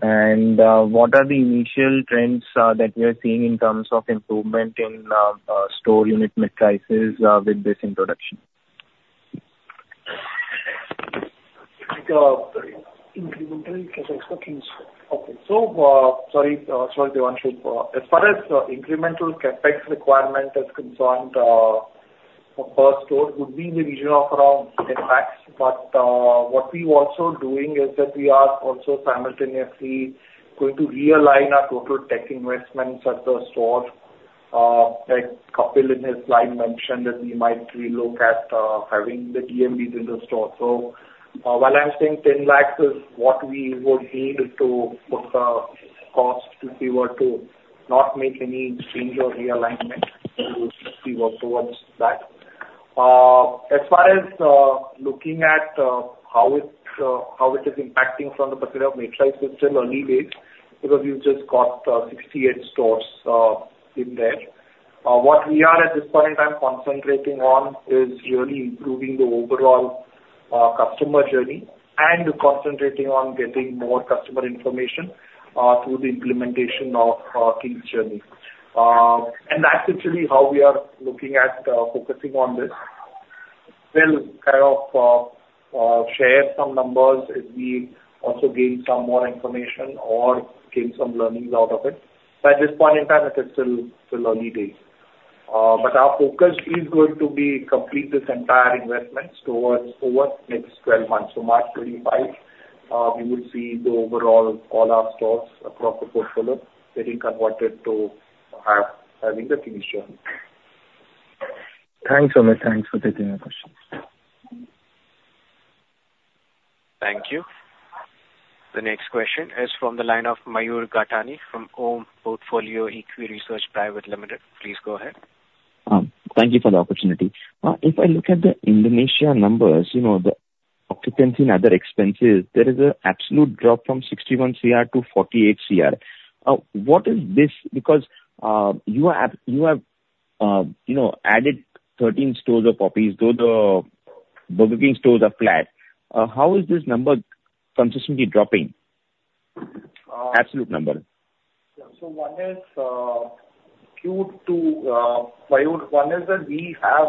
And, what are the initial trends that we are seeing in terms of improvement in store unit mix prices with this introduction? Incremental CapEx for King's store. Okay. So, sorry, sorry, Devanshu. As far as, incremental CapEx requirement is concerned, for per store would be in the region of around 10 lakh. But, what we're also doing is that we are also simultaneously going to realign our total tech investments at the store. Like Kapil in his slide mentioned that we might relook at, having the DM be in the store. So while I'm saying 10 lakh is what we would need to put the cost, if we were to not make any change or realignment, we would work towards that. As far as, looking at, how it, how it is impacting from the perspective of metrics, it's still early days, because we've just got, 68 stores, in there. What we are at this point in time concentrating on is really improving the overall customer journey and concentrating on getting more customer information through the implementation of King's Journey. And that's actually how we are looking at focusing on this. We'll kind of share some numbers as we also gain some more information or gain some learnings out of it. But at this point in time, it is still early days. But our focus is going to be complete this entire investment towards over the next 12 months. So March 2025, you will see the overall all our stores across the portfolio getting converted to having the King's Journey. Thanks, Amit. Thanks for taking my questions. Thank you. The next question is from the line of Mayur Gathani from OHM Portfolio Equity Research Private Limited. Please go ahead. Thank you for the opportunity. If I look at the Indonesia numbers, you know, the occupancy and other expenses, there is a absolute drop from 61 crore to 48 crore. What is this? Because, you have, you have, you know, added 13 stores of Popeyes, though the Burger King stores are flat. How is this number consistently dropping? Absolute number. So one is, due to, Mayur, one is that we have,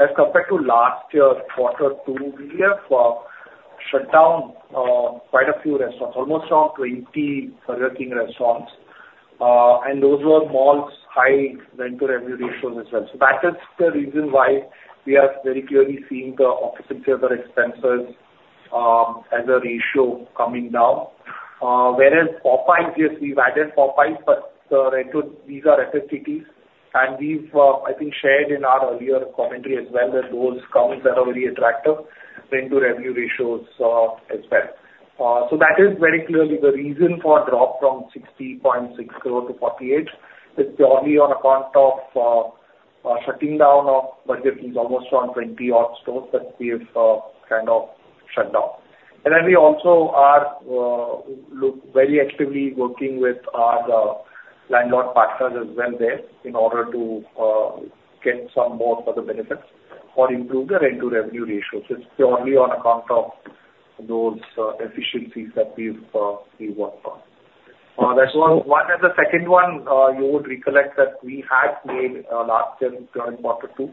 as compared to last year's quarter two, we have, shut down, quite a few restaurants, almost around 20 Burger King restaurants. And those were malls high rent to revenue ratios as well. So that is the reason why we are very clearly seeing the occupancy of the expenses, as a ratio coming down. Whereas Popeyes, yes, we've added Popeyes, but the rental, these are FFTs. And we've, I think, shared in our earlier commentary as well, that those comes at a very attractive rent to revenue ratios, as well. So that is very clearly the reason for a drop from 60.6 crore to 48 crore. It's purely on account of shutting down of Burger King, almost around 20-odd stores that we have kind of shut down. And then we also are look very actively working with our landlord partners as well there, in order to get some more further benefits or improve the rent to revenue ratios. It's purely on account of those efficiencies that we've we work on. That's one. And the second one, you would recollect that we had made last year in current quarter two,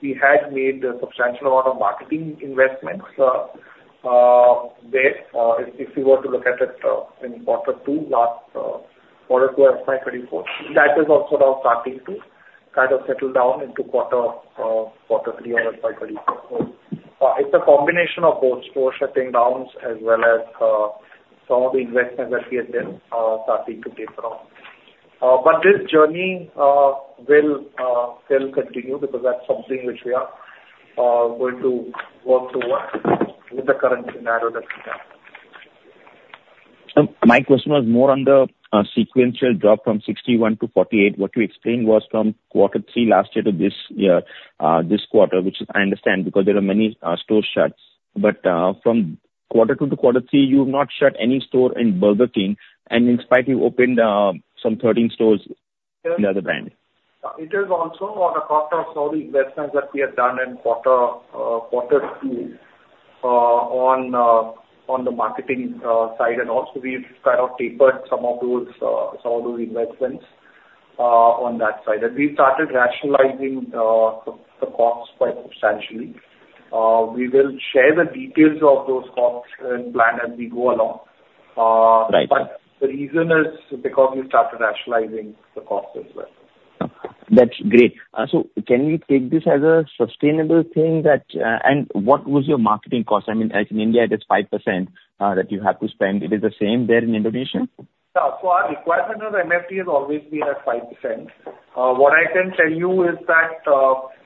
we had made a substantial amount of marketing investments there. If you were to look at it in quarter two, last quarter two of 2024. That is also now starting to kind of settle down into quarter three of 2024. It's a combination of both store shutdowns as well as some of the investments that we had done starting to taper off. But this journey will continue, because that's something which we are going to work towards with the current scenario that we have. My question was more on the sequential drop from 61 to 48. What you explained was from quarter three last year to this year, this quarter, which I understand, because there are many store shuts. But from quarter two to quarter three, you've not shut any store in Burger King, and in spite you opened some 13 stores in the other brand. It is also on account of all the investments that we have done in quarter two on the marketing side, and also we've kind of tapered some of those investments on that side. And we've started rationalizing the costs quite substantially. We will share the details of those costs plan as we go along. Right. The reason is because we started rationalizing the costs as well. That's great. So can we take this as a sustainable thing that... And what was your marketing cost? I mean, as in India, it is 5%, that you have to spend. It is the same there in Indonesia? Yeah. So our requirement of MFD has always been at 5%. What I can tell you is that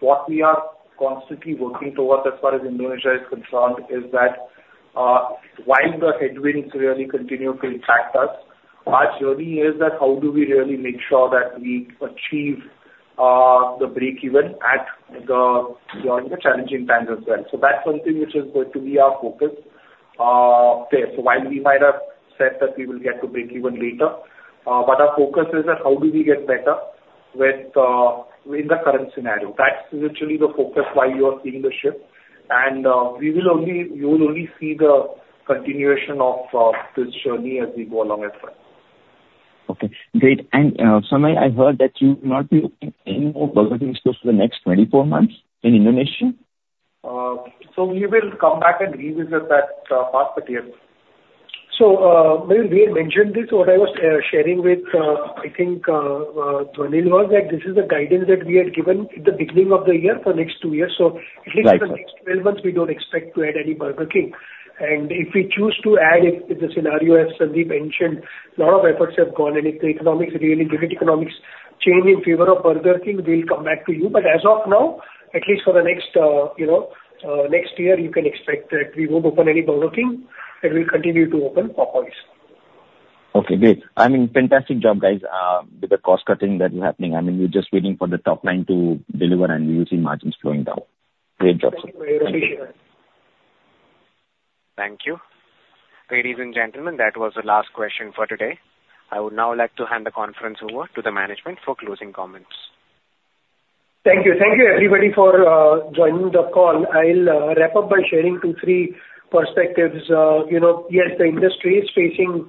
what we are constantly working towards as far as Indonesia is concerned is that while the headwinds really continue to impact us. Our journey is that how do we really make sure that we achieve the breakeven during the challenging times as well? So that's something which is going to be our focus. So while we might have said that we will get to breakeven later but our focus is on how do we get better in the current scenario. That is actually the focus while you are seeing the shift, and we will only, you will only see the continuation of this journey as we go along as well. Okay, great. And, Sumit, I heard that you will not be opening any more Burger King stores for the next 24 months in Indonesia? We will come back and revisit that part, Pratyay. So, we had mentioned this, what I was sharing with, I think, Dhwanil, was that this is the guidance that we had given at the beginning of the year for next two years. So at least- Right. For the next 12 months, we don't expect to add any Burger King. And if we choose to add it, the scenario, as Sandeep mentioned, a lot of efforts have gone, and if the economics really, unit economics change in favor of Burger King, we'll come back to you. But as of now, at least for the next, you know, next year, you can expect that we won't open any Burger King, and we'll continue to open Popeyes. Okay, great. I mean, fantastic job, guys, with the cost cutting that is happening. I mean, we're just waiting for the top line to deliver, and we will see margins flowing down. Great job, sir. Thank you very much. Thank you. Ladies and gentlemen, that was the last question for today. I would now like to hand the conference over to the management for closing comments. Thank you. Thank you, everybody, for joining the call. I'll wrap up by sharing 2-3 perspectives. You know, yes, the industry is facing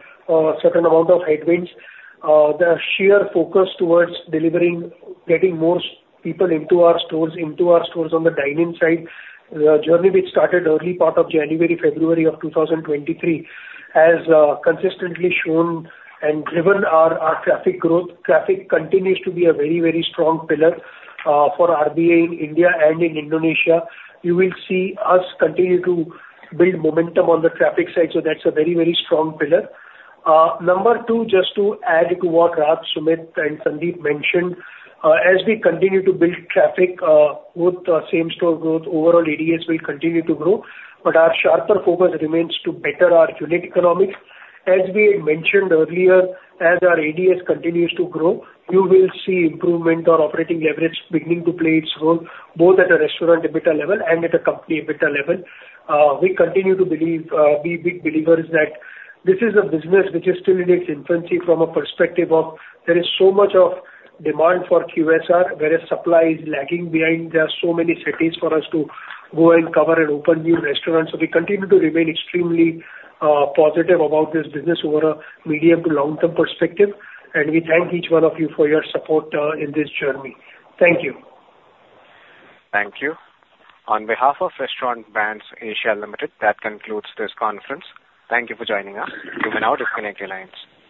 certain amount of headwinds. The sheer focus towards delivering, getting more people into our stores, into our stores on the dine-in side, the journey which started early part of January, February of 2023, has consistently shown and driven our traffic growth. Traffic continues to be a very, very strong pillar for RBA in India and in Indonesia. You will see us continue to build momentum on the traffic side, so that's a very, very strong pillar. Number 2, just to add to what Raj, Sumit, and Sandeep mentioned, as we continue to build traffic, with the same store growth, overall ADS will continue to grow. But our sharper focus remains to better our unit economics. As we had mentioned earlier, as our ADS continues to grow, you will see improvement on operating leverage beginning to play its role, both at a restaurant EBITDA level and at a company EBITDA level. We continue to be big believers that this is a business which is still in its infancy from a perspective of there is so much of demand for QSR, whereas supply is lagging behind. There are so many cities for us to go and cover and open new restaurants. So we continue to remain extremely positive about this business over a medium to long-term perspective, and we thank each one of you for your support in this journey. Thank you. Thank you. On behalf of Restaurant Brands Asia Limited, that concludes this conference. Thank you for joining us. You may now disconnect your lines.